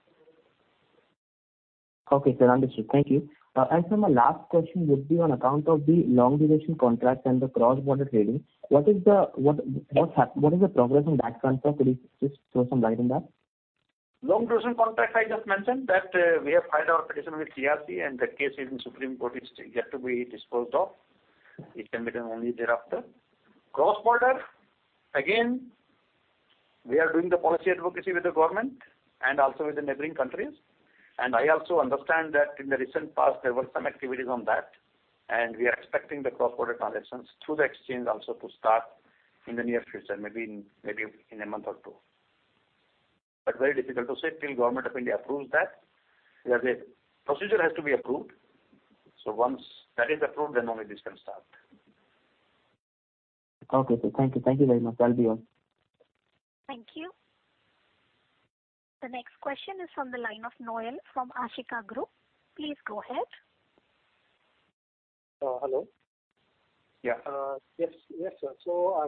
Okay, sir. Understood. Thank you. sir, my last question would be on account of the long-duration contracts and the cross-border trading. What is the progress on that front, sir? Could you just throw some light on that?
Long-duration contract, I just mentioned that we have filed our petition with CERC, and the case is in Supreme Court. It's yet to be disposed of. It can be done only thereafter. Cross-border, again, we are doing the policy advocacy with the government and also with the neighboring countries. I also understand that in the recent past, there were some activities on that, and we are expecting the cross-border transactions through the exchange also to start in the near future, maybe in a month or two. Very difficult to say till Government of India approves that. Because the procedure has to be approved. Once that is approved, then only this can start.
Okay, sir. Thank you. Thank you very much. That'll be all.
Thank you. The next question is from the line of Noel from Ashika Group. Please go ahead.
Hello.
Yeah.
Yes, sir.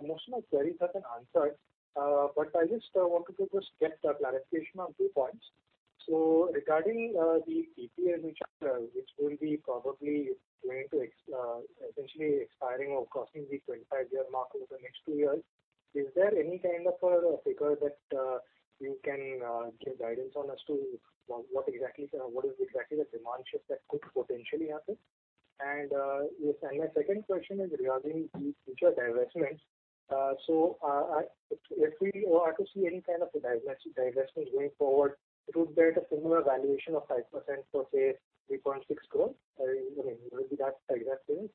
Most of my queries have been answered. I just wanted to just get clarification on two points. Regarding the PPAs, which will be probably going to essentially expiring or crossing the 25-year mark over the next two years. Is there any kind of a figure that you can give guidance on as to what is exactly the demand shift that could potentially happen? My second question is regarding the future divestments. If we are to see any kind of divestment going forward, it would get a similar valuation of 5% for, say, 3.6 crore? Will it be that type of thing?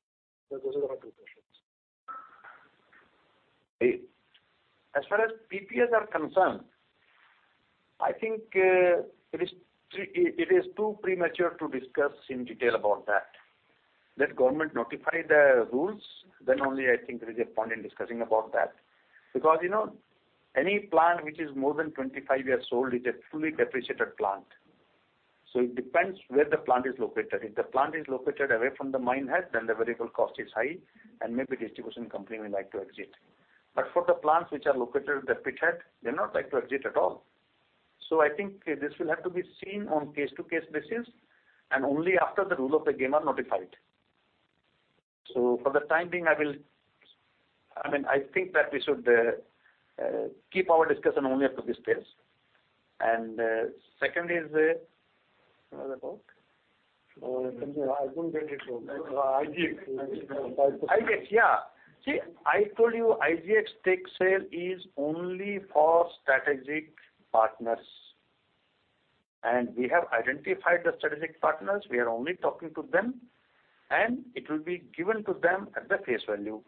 Those are my two questions.
As far as PPAs are concerned, I think it is too premature to discuss in detail about that. Let government notify the rules, then only I think there is a point in discussing about that. Because any plant which is more than 25 years old is a fully depreciated plant. It depends where the plant is located. If the plant is located away from the mine head, then the variable cost is high, and maybe distribution company may like to exit. For the plants which are located at the pit head, they not like to exit at all. I think this will have to be seen on case to case basis, and only after the rule of the game are notified. For the time being, I think that we should keep our discussion only up to this stage. Second is, what was it called?
I didn't get it. IGX.
IGX, yeah. See, I told you IGX stake sale is only for strategic partners. We have identified the strategic partners. We are only talking to them. It will be given to them at the face value.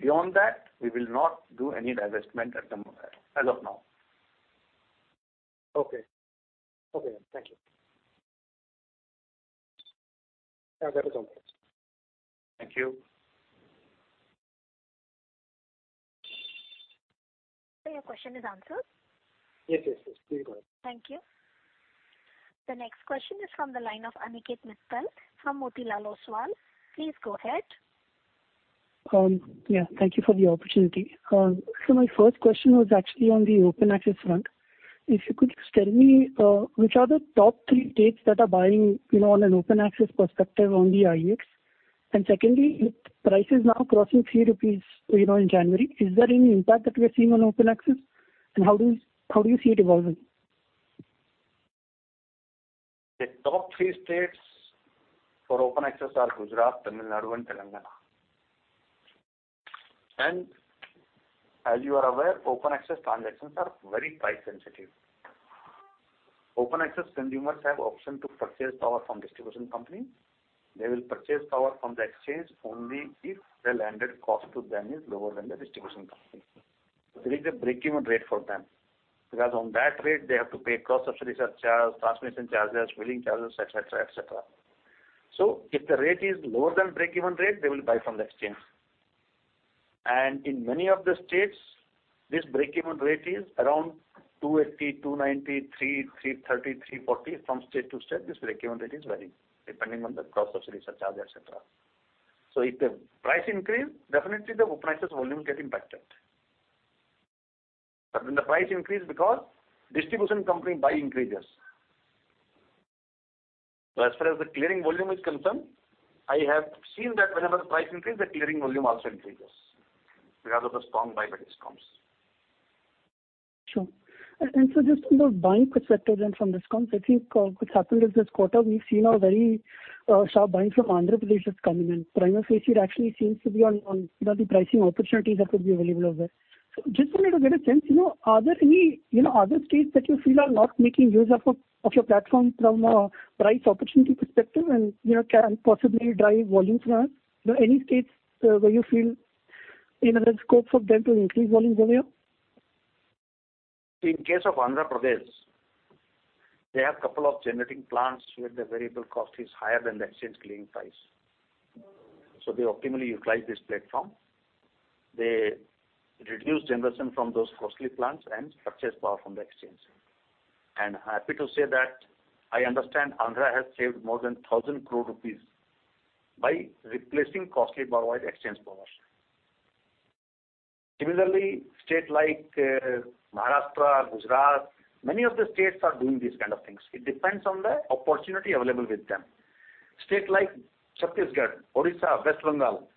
Beyond that, we will not do any divestment as of now.
Okay. Thank you. That was all.
Thank you.
Sir, your question is answered?
Yes. Please go ahead.
Thank you. The next question is from the line of Aniket Misal from Motilal Oswal. Please go ahead.
Yeah. Thank you for the opportunity. My first question was actually on the open access front. If you could just tell me which are the top three states that are buying on an open access perspective on the IEX. Secondly, with prices now crossing 3 rupees in January, is there any impact that we're seeing on open access? How do you see it evolving?
The top three states for open access are Gujarat, Tamil Nadu, and Telangana. As you are aware, open access transactions are very price sensitive. Open access consumers have option to purchase power from distribution company. They will purchase power from the exchange only if the landed cost to them is lower than the distribution company. There is a break-even rate for them. Because on that rate, they have to pay cross-subsidy charges, transmission charges, wheeling charges, et cetera. If the rate is lower than break-even rate, they will buy from the exchange. In many of the states, this break-even rate is around 280, 290, 300, 330, 340. From state to state, this break-even rate is varying, depending on the cross-subsidy charge, et cetera. If the price increase, definitely the prices volume get impacted. When the price increase because distribution company buy increases. as far as the clearing volume is concerned, I have seen that whenever the price increase, the clearing volume also increases because of the strong buy by discoms.
Sure. Just from the buying perspective then from discoms, I think what's happened is this quarter, we've seen a very sharp buying from Andhra Pradesh is coming in. Prima facie, it actually seems to be on the pricing opportunities that could be available there. just wanted to get a sense, are there any other states that you feel are not making use of your platform from a price opportunity perspective and can possibly drive volumes now? Any states where you feel there is scope for them to increase volumes over here?
In case of Andhra Pradesh, they have couple of generating plants where the variable cost is higher than the exchange clearing price. They optimally utilize this platform. They reduce generation from those costly plants and purchase power from the exchange. Happy to say that I understand Andhra has saved more than 1,000 crore rupees by replacing costly power with exchange power. Similarly, state like Maharashtra, Gujarat, many of the states are doing these kind of things. It depends on the opportunity available with them. State like Chhattisgarh, Odisha, West Bengal,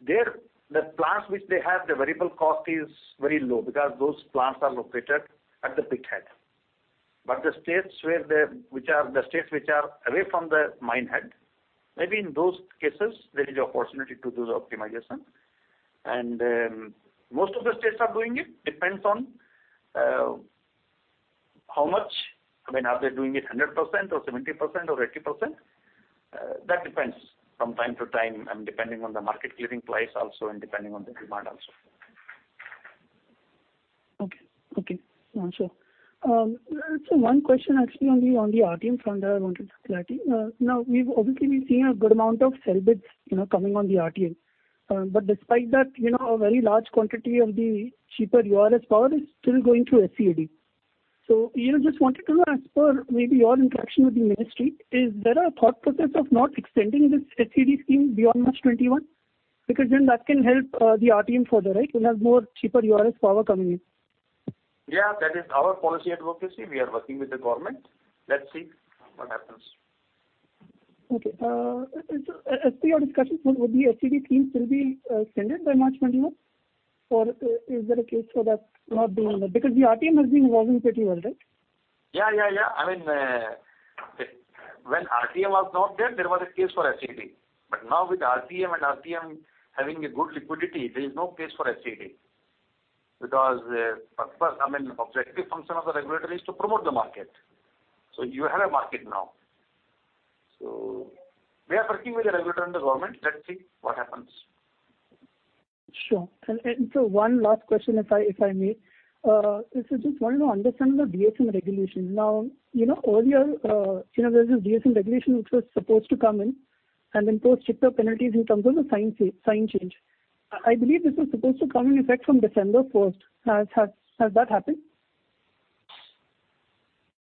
there the plants which they have, the variable cost is very low because those plants are located at the pit head. The states which are away from the mine head, maybe in those cases, there is opportunity to do the optimization. Most of the states are doing it. Depends on how much. I mean, are they doing it 100% or 70% or 80%? That depends from time-to-time and depending on the market clearing price also and depending on the demand also.
Okay. Sure. Sir, one question actually on the RTM front, I wanted to clarify. Now, obviously we've seen a good amount of sell bids coming on the RTM. Despite that, a very large quantity of the cheaper URS power is still going through SED. Just wanted to know, as per maybe your interaction with the ministry, is there a thought process of not extending this SED scheme beyond March 21? Because then that can help the RTM further, right? It has more cheaper URS power coming in.
Yeah, that is our policy advocacy. We are working with the government. Let's see what happens.
Okay. As per your discussions, would the SED scheme still be extended by March 21? Is there a case for that not being there? Because the RTM has been evolving pretty well, right?
Yeah. I mean, when RTM was not there was a case for SED. Now with RTM and RTM having a good liquidity, there is no case for SED. First, I mean, objective function of the regulator is to promote the market. You have a market now. We are working with the regulator and the government. Let's see what happens.
Sure. Sir, one last question, if I may. Just wanted to understand the DSM regulation. Now, earlier, there was this DSM regulation which was supposed to come in and impose stricter penalties in terms of the sign change. I believe this was supposed to come in effect from December 1st. Has that happened?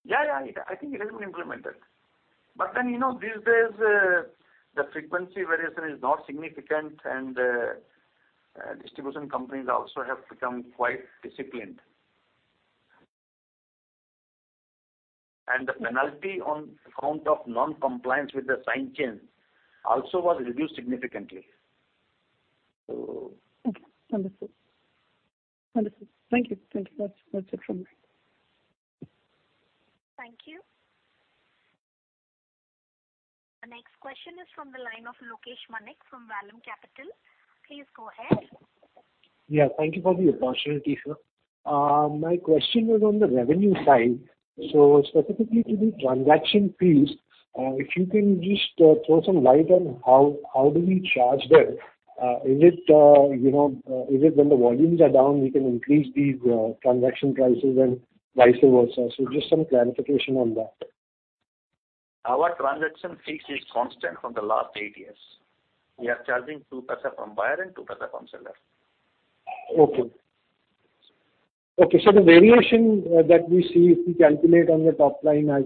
Yeah. I think it has been implemented. These days, the frequency variation is not significant and distribution companies also have become quite disciplined. The penalty on account of non-compliance with the sign change also was reduced significantly.
Okay. Understood. Thank you. That's it from me.
Thank you. Next question is from the line of Lokesh Manik from Vallum Capital. Please go ahead.
Yeah, thank you for the opportunity, sir. My question was on the revenue side. Specifically to the transaction fees, if you can just throw some light on how do we charge there? Is it when the volumes are down, we can increase these transaction prices and vice versa? Just some clarification on that.
Our transaction fees is constant from the last eight years. We are charging 0.02 from buyer and 0.02 from seller.
Okay. the variation that we see if we calculate on the top line as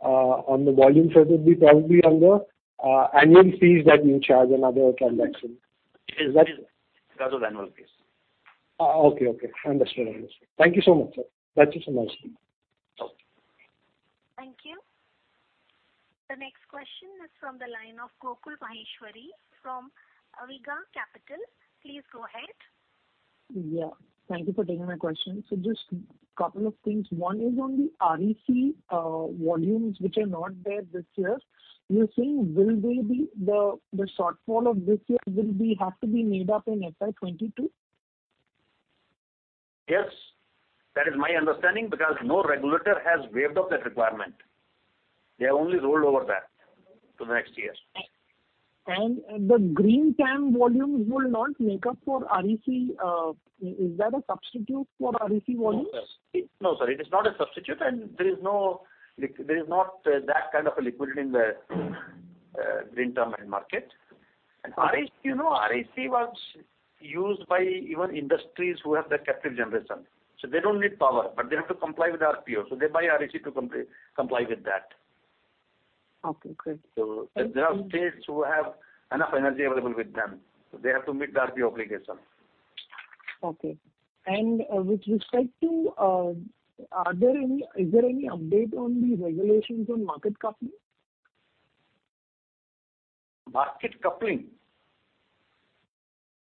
on the volume side would be probably on the annual fees that you charge and other transaction.
It is annual fees.
Okay. Understood. Thank you so much, sir. That's it from my side.
Okay.
Thank you. The next question is from the line of Gokul Maheshwari from Awriga Capital. Please go ahead.
Yeah, thank you for taking my question. Just couple of things. One is on the REC volumes, which are not there this year. You're saying the shortfall of this year will have to be made up in FY 2022?
Yes. That is my understanding, because no regulator has waived off that requirement. They have only rolled over that to the next year.
The Green Term volumes will not make up for REC. Is that a substitute for REC volumes?
No, sir. It is not a substitute and there is not that kind of a liquidity in the Green Term market. REC was used by even industries who have the captive generation. They don't need power, but they have to comply with RPO. They buy REC to comply with that.
Okay, great.
There are states who have enough energy available with them. They have to meet the RPO obligation.
Okay. With respect to, is there any update on the regulations on market coupling?
Market coupling?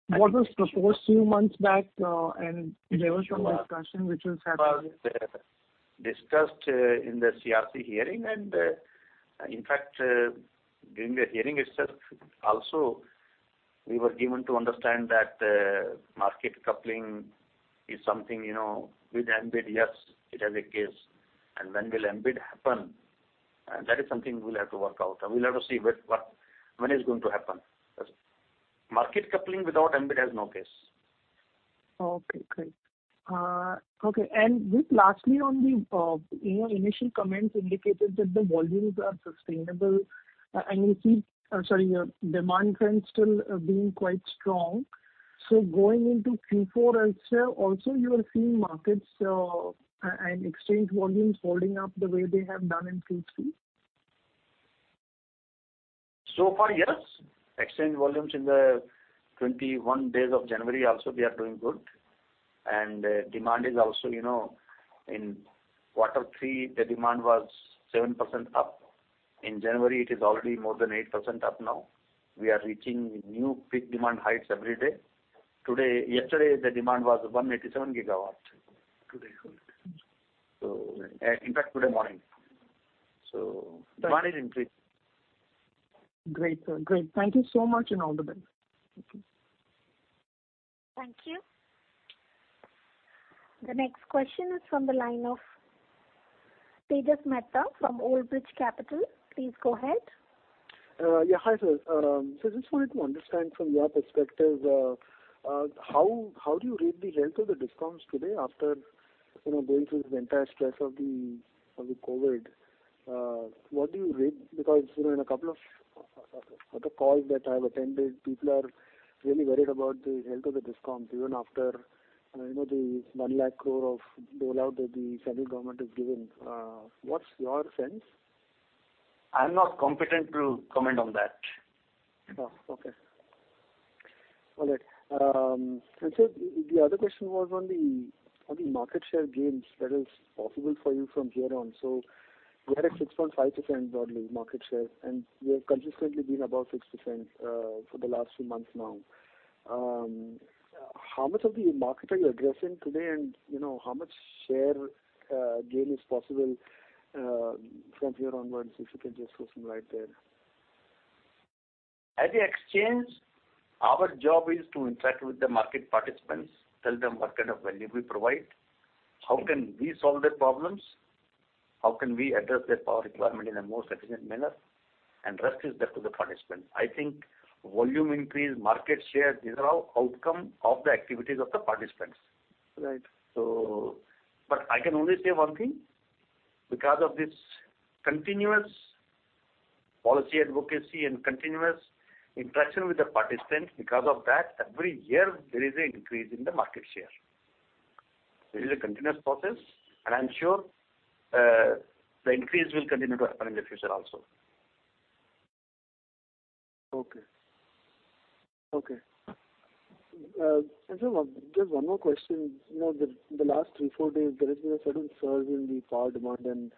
What was proposed few months back, and there was some discussion which was happening.
It was discussed in the CERC hearing. In fact, during the hearing itself also, we were given to understand that market coupling is something with MBED, yes, it has a case. When will MBED happen? That is something we'll have to work out and we'll have to see when it's going to happen. Market coupling without MBED has no case.
Okay, great. Just lastly on the initial comments indicated that the volumes are sustainable and we see demand trend still being quite strong. Going into Q4 itself, also you are seeing markets and exchange volumes holding up the way they have done in Q3?
Far, yes. Exchange volumes in the 21 days of January also, they are doing good. Demand is also, in quarter three, the demand was 7% up. In January, it is already more than 8% up now. We are reaching new peak demand heights every day. Yesterday, the demand was 187 GW.
Today also
In fact, today morning. volume increased.
Great, sir. Great. Thank you so much, and all the best.
Thank you. The next question is from the line of Tejas Mehta from Old Bridge Capital. Please go ahead.
Yeah. Hi, sir. I just wanted to understand from your perspective, how do you rate the health of the discounts today after going through the entire stress of the COVID? What do you rate? Because in a couple of the calls that I have attended, people are really worried about the health of the discounts even after the 1 lakh crore of dole out that the central government has given. What is your sense?
I am not competent to comment on that.
Okay. All right. Sir, the other question was on the market share gains that is possible for you from here on. You had a 6.5% broadly market share, and you have consistently been above 6% for the last few months now. How much of the market are you addressing today, and how much share gain is possible from here onwards, if you can just throw some light there?
At the exchange, our job is to interact with the market participants, tell them what kind of value we provide, how can we solve their problems, how can we address their power requirement in a more sufficient manner, and rest is left to the participant. I think volume increase, market share, these are all outcome of the activities of the participants.
Right.
I can only say one thing. Because of this continuous policy advocacy and continuous interaction with the participants, because of that, every year there is an increase in the market share. This is a continuous process, and I am sure the increase will continue to happen in the future also.
Okay. Sir, just one more question. In the last three, four days, there has been a sudden surge in the power demand and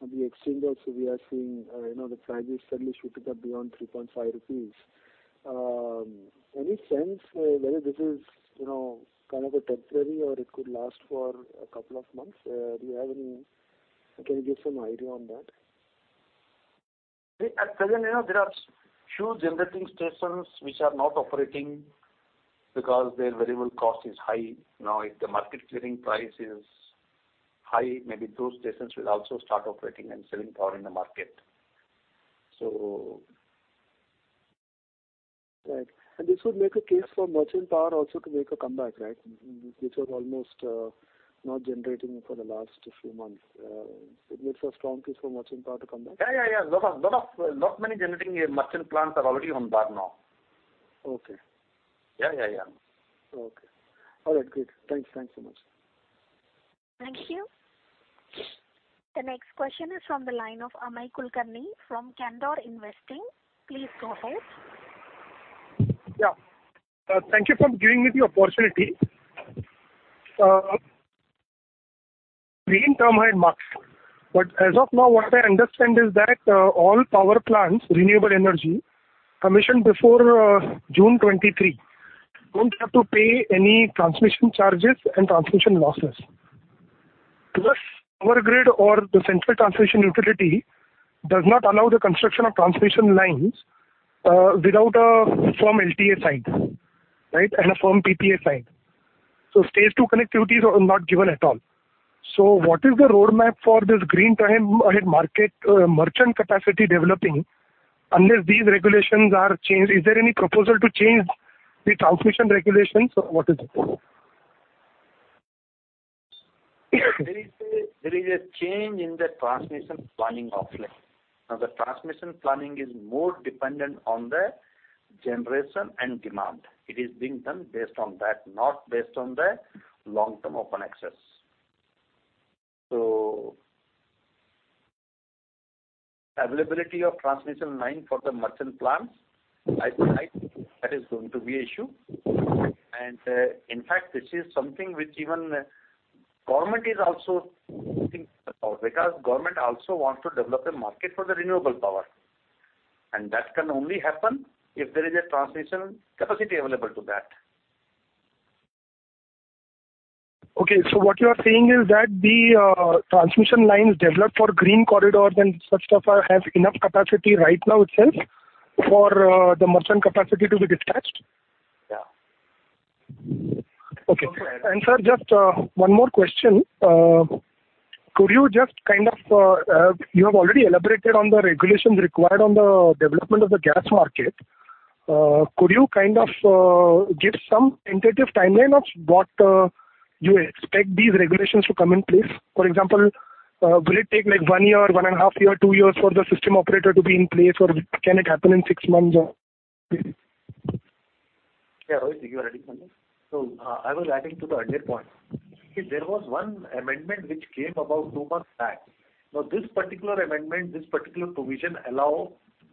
on the exchange also we are seeing the prices suddenly shooting up beyond 3.5 rupees. Any sense whether this is kind of temporary or it could last for a couple of months? Can you give some idea on that?
At present, there are huge generating stations which are not operating because their variable cost is high. Now, if the market clearing price is high, maybe those stations will also start operating and selling power in the market.
Right. This would make a case for merchant power also to make a comeback, right? Which was almost not generating for the last few months. It makes a strong case for merchant power to come back.
Yeah. Lot many generating merchant plants are already on power now.
Okay.
Yeah.
Okay. All right, good. Thanks so much.
Thank you. The next question is from the line of Amey Kulkarni from Candor Investing. Please go ahead.
Yeah. Thank you for giving me the opportunity. Green Term Ahead Market. as of now, what I understand is that all power plants, renewable energy, commissioned before June 2023, don't have to pay any transmission charges and transmission losses. Plus, power grid or the central transmission utility does not allow the construction of transmission lines without a firm LTA site and a firm PPA site. Stage 2 connectivities are not given at all. what is the roadmap for this Green Term Ahead Market merchant capacity developing unless these regulations are changed? Is there any proposal to change the transmission regulations, or what is it?
There is a change in the transmission planning offline. Now, the transmission planning is more dependent on the generation and demand. It is being done based on that, not based on the long-term open access. Availability of transmission line for the merchant plants, I would like to think that is going to be issue. In fact, this is something which even government is also thinking about, because government also wants to develop the market for the renewable power. That can only happen if there is a transmission capacity available to that.
Okay, what you are saying is that the transmission lines developed for green corridors and such stuff have enough capacity right now itself for the merchant capacity to be detached?
Yeah.
Okay. Sir, just one more question. You have already elaborated on the regulations required on the development of the gas market. Could you give some tentative timeline of what you expect these regulations to come in place? For example, will it take one year, one and a half year, two years for the system operator to be in place, or can it happen in six months or?
Yeah, Rohit, you were adding something?
I was adding to the earlier point. There was one amendment which came about two months back. Now, this particular amendment, this particular provision allow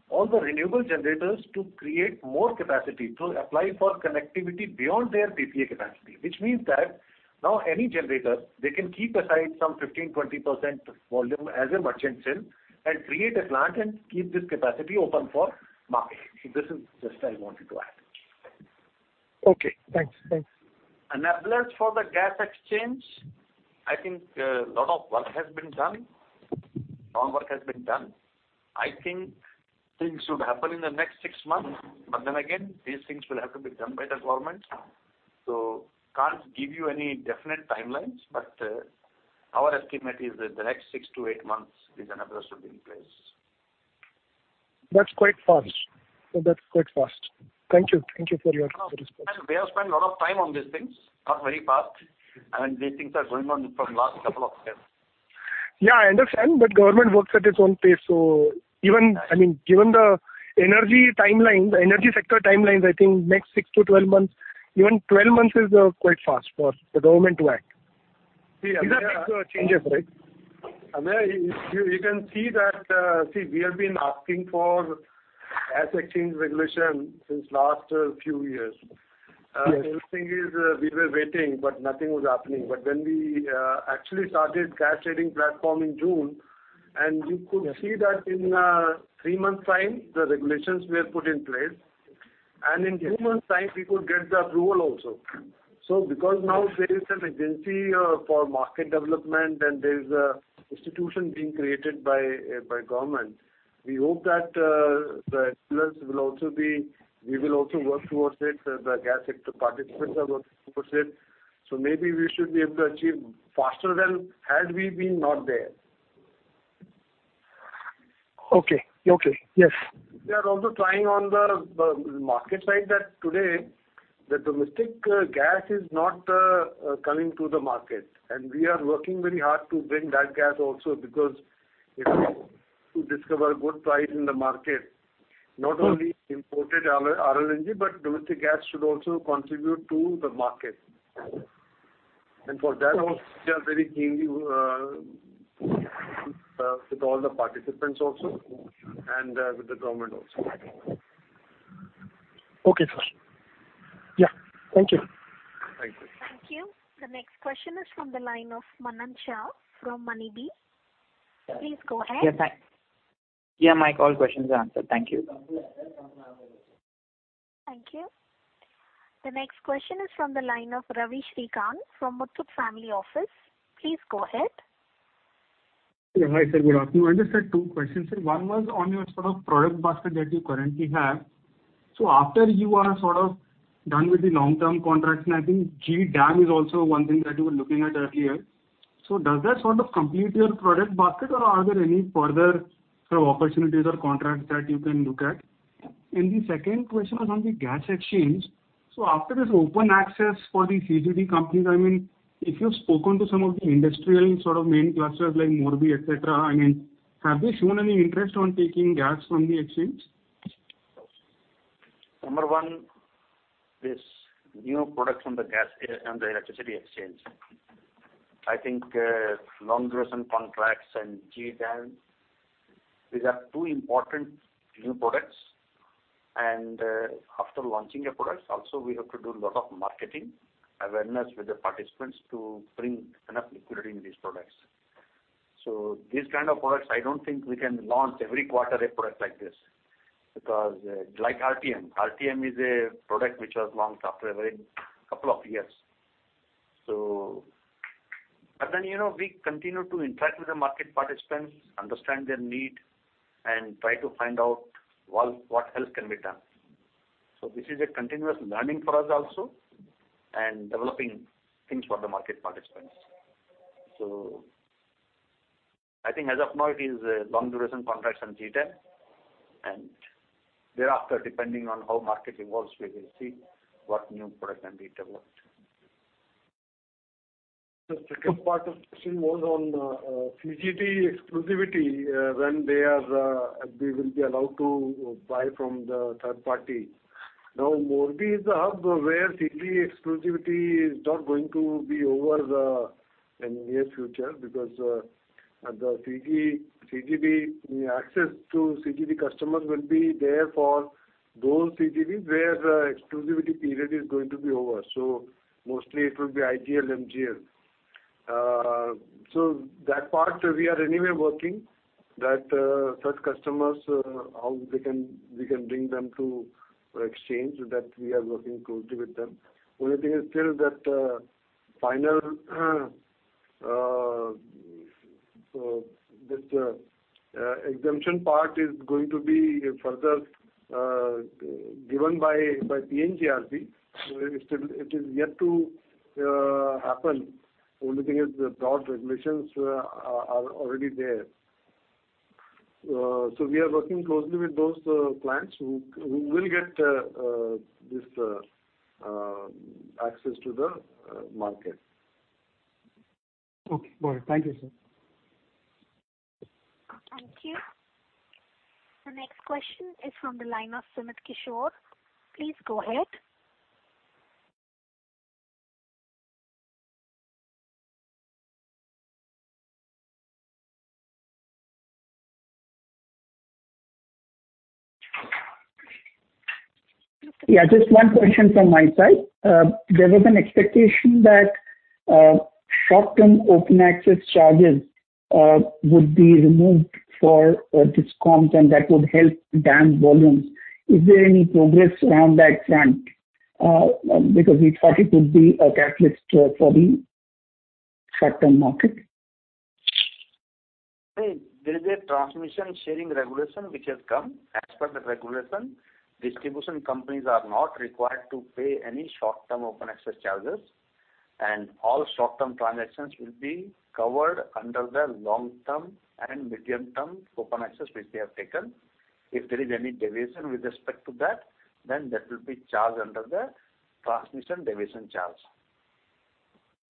all the renewable generators to create more capacity to apply for connectivity beyond their PPA capacity, which means that now any generator, they can keep aside some 15%-20% volume as a merchant sale and create a plant and keep this capacity open for market. This is just I wanted to add.
Okay, thanks. Enablers for the gas exchange, I think a lot of work has been done. I think things should happen in the next six months. again, these things will have to be done by the government. can't give you any definite timelines, but our estimate is that the next six to eight months, this enabler should be in place. That's quite fast. Thank you for your response. We have spent a lot of time on these things, not very fast. these things are going on from last couple of years. Yeah, I understand, but government works at its own pace. Given the energy sector timelines, I think next six to 12 months, even 12 months is quite fast for the government to act. These are big changes, right? You can see that we have been asking for gas exchange regulation since last few years. Yes. The whole thing is, we were waiting, nothing was happening. When we actually started gas trading platform in June, and you could see that in three months time, the regulations were put in place. In two months time, we could get the approval also. Because now there is an agency for market development, and there's a institution being created by government, we hope that the enablers, we will also work towards it, the gas sector participants are working towards it. Maybe we should be able to achieve faster than had we been not there. Okay. Yes. We are also trying on the market side that today, the domestic gas is not coming to the market. We are working very hard to bring that gas also, because if we to discover a good price in the market, not only imported RLNG, but domestic gas should also contribute to the market. For that also, we are very keenly with all the participants also, and with the government also. Okay, sir. Yeah. Thank you. Thank you.
Thank you. The next question is from the line of Manan Shah from Moneybee. Please go ahead.
Yeah, hi. Yeah, my call questions are answered. Thank you.
Thank you. The next question is from the line of Ravi Srikanth from Mukut Family Office. Please go ahead.
Yeah. Hi, sir. Good afternoon. Just had two questions, sir. One was on your sort of product basket that you currently have. After you are sort of done with the long-term contracts, and I think GDAM is also one thing that you were looking at earlier. Does that sort of complete your product basket, or are there any further sort of opportunities or contracts that you can look at? The second question was on the gas exchange. After this open access for the CGD companies, if you've spoken to some of the industrial sort of main clusters like Morbi, et cetera, have they shown any interest on taking gas from the exchange?
Number one, this new product from the gas and the electricity exchange. I think long duration contracts and GDAM, these are two important new products. After launching a product also, we have to do a lot of marketing, awareness with the participants to bring enough liquidity in these products. These kind of products, I don't think we can launch every quarter a product like this, like RTM. RTM is a product which was launched after a very couple of years. We continue to interact with the market participants, understand their need, and try to find out what else can be done. This is a continuous learning for us also and developing things for the market participants. I think as of now, it is long duration contracts and GDAM, and thereafter, depending on how market evolves, we will see what new product can be developed. The second part of the question was on CGD exclusivity, when they will be allowed to buy from the third party. Now, Morbi is a hub where CGD exclusivity is not going to be over in near future, because access to CGD customers will be there for those CGDs where exclusivity period is going to be over. Mostly it will be IGL, MGL. That part we are anyway working, that such customers, how we can bring them to exchange, that we are working closely with them. Only thing is still that final exemption part is going to be further given by PNGRB, where it is yet to happen. Only thing is the draft regulations are already there. We are working closely with those clients who will get this access to the market.
Okay, got it. Thank you, sir.
Thank you. The next question is from the line of Sumit Kishore. Please go ahead.
Yeah. Just one question from my side. There was an expectation that short-term open access charges would be removed for DISCOMs, and that would help DAM volumes. Is there any progress around that front? We thought it would be a catalyst for the short-term market.
There is a transmission sharing regulation which has come. As per the regulation, distribution companies are not required to pay any short-term open access charges, and all short-term transactions will be covered under the long-term and medium-term open access which they have taken. If there is any deviation with respect to that, then that will be charged under the transmission deviation charge.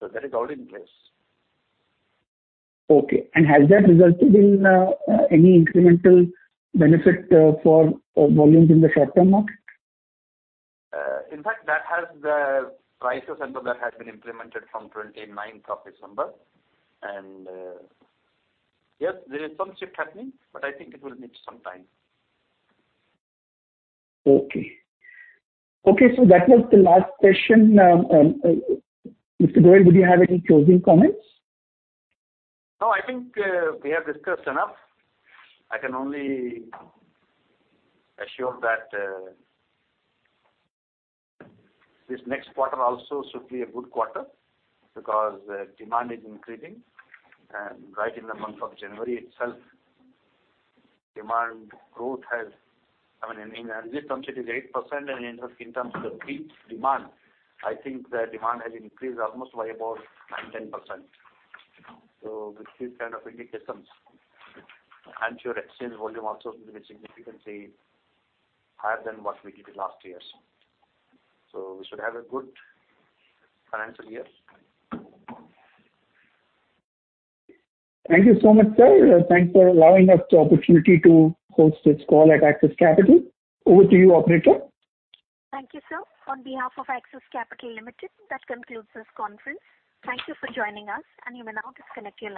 That is already in place.
Okay. Has that resulted in any incremental benefit for volumes in the short-term market?
In fact, the prices and all that have been implemented from 29th of December. Yes, there is some shift happening, but I think it will need some time.
Okay. That was the last question. Mr. Goel, do you have any closing comments?
No, I think we have discussed enough. I can only assure that this next quarter also should be a good quarter because demand is increasing. Right in the month of January itself, demand growth has, I mean, in energy terms, it is 8%, and in terms of peak demand, I think the demand has increased almost by about 9%-10%. With these kind of indications, I am sure exchange volume also will be significantly higher than what we did in last years. We should have a good financial year.
Thank you so much, sir. Thanks for allowing us the opportunity to host this call at Axis Capital. Over to you, operator.
Thank you, sir. On behalf of Axis Capital Limited, that concludes this conference. Thank you for joining us, and you may now disconnect your lines.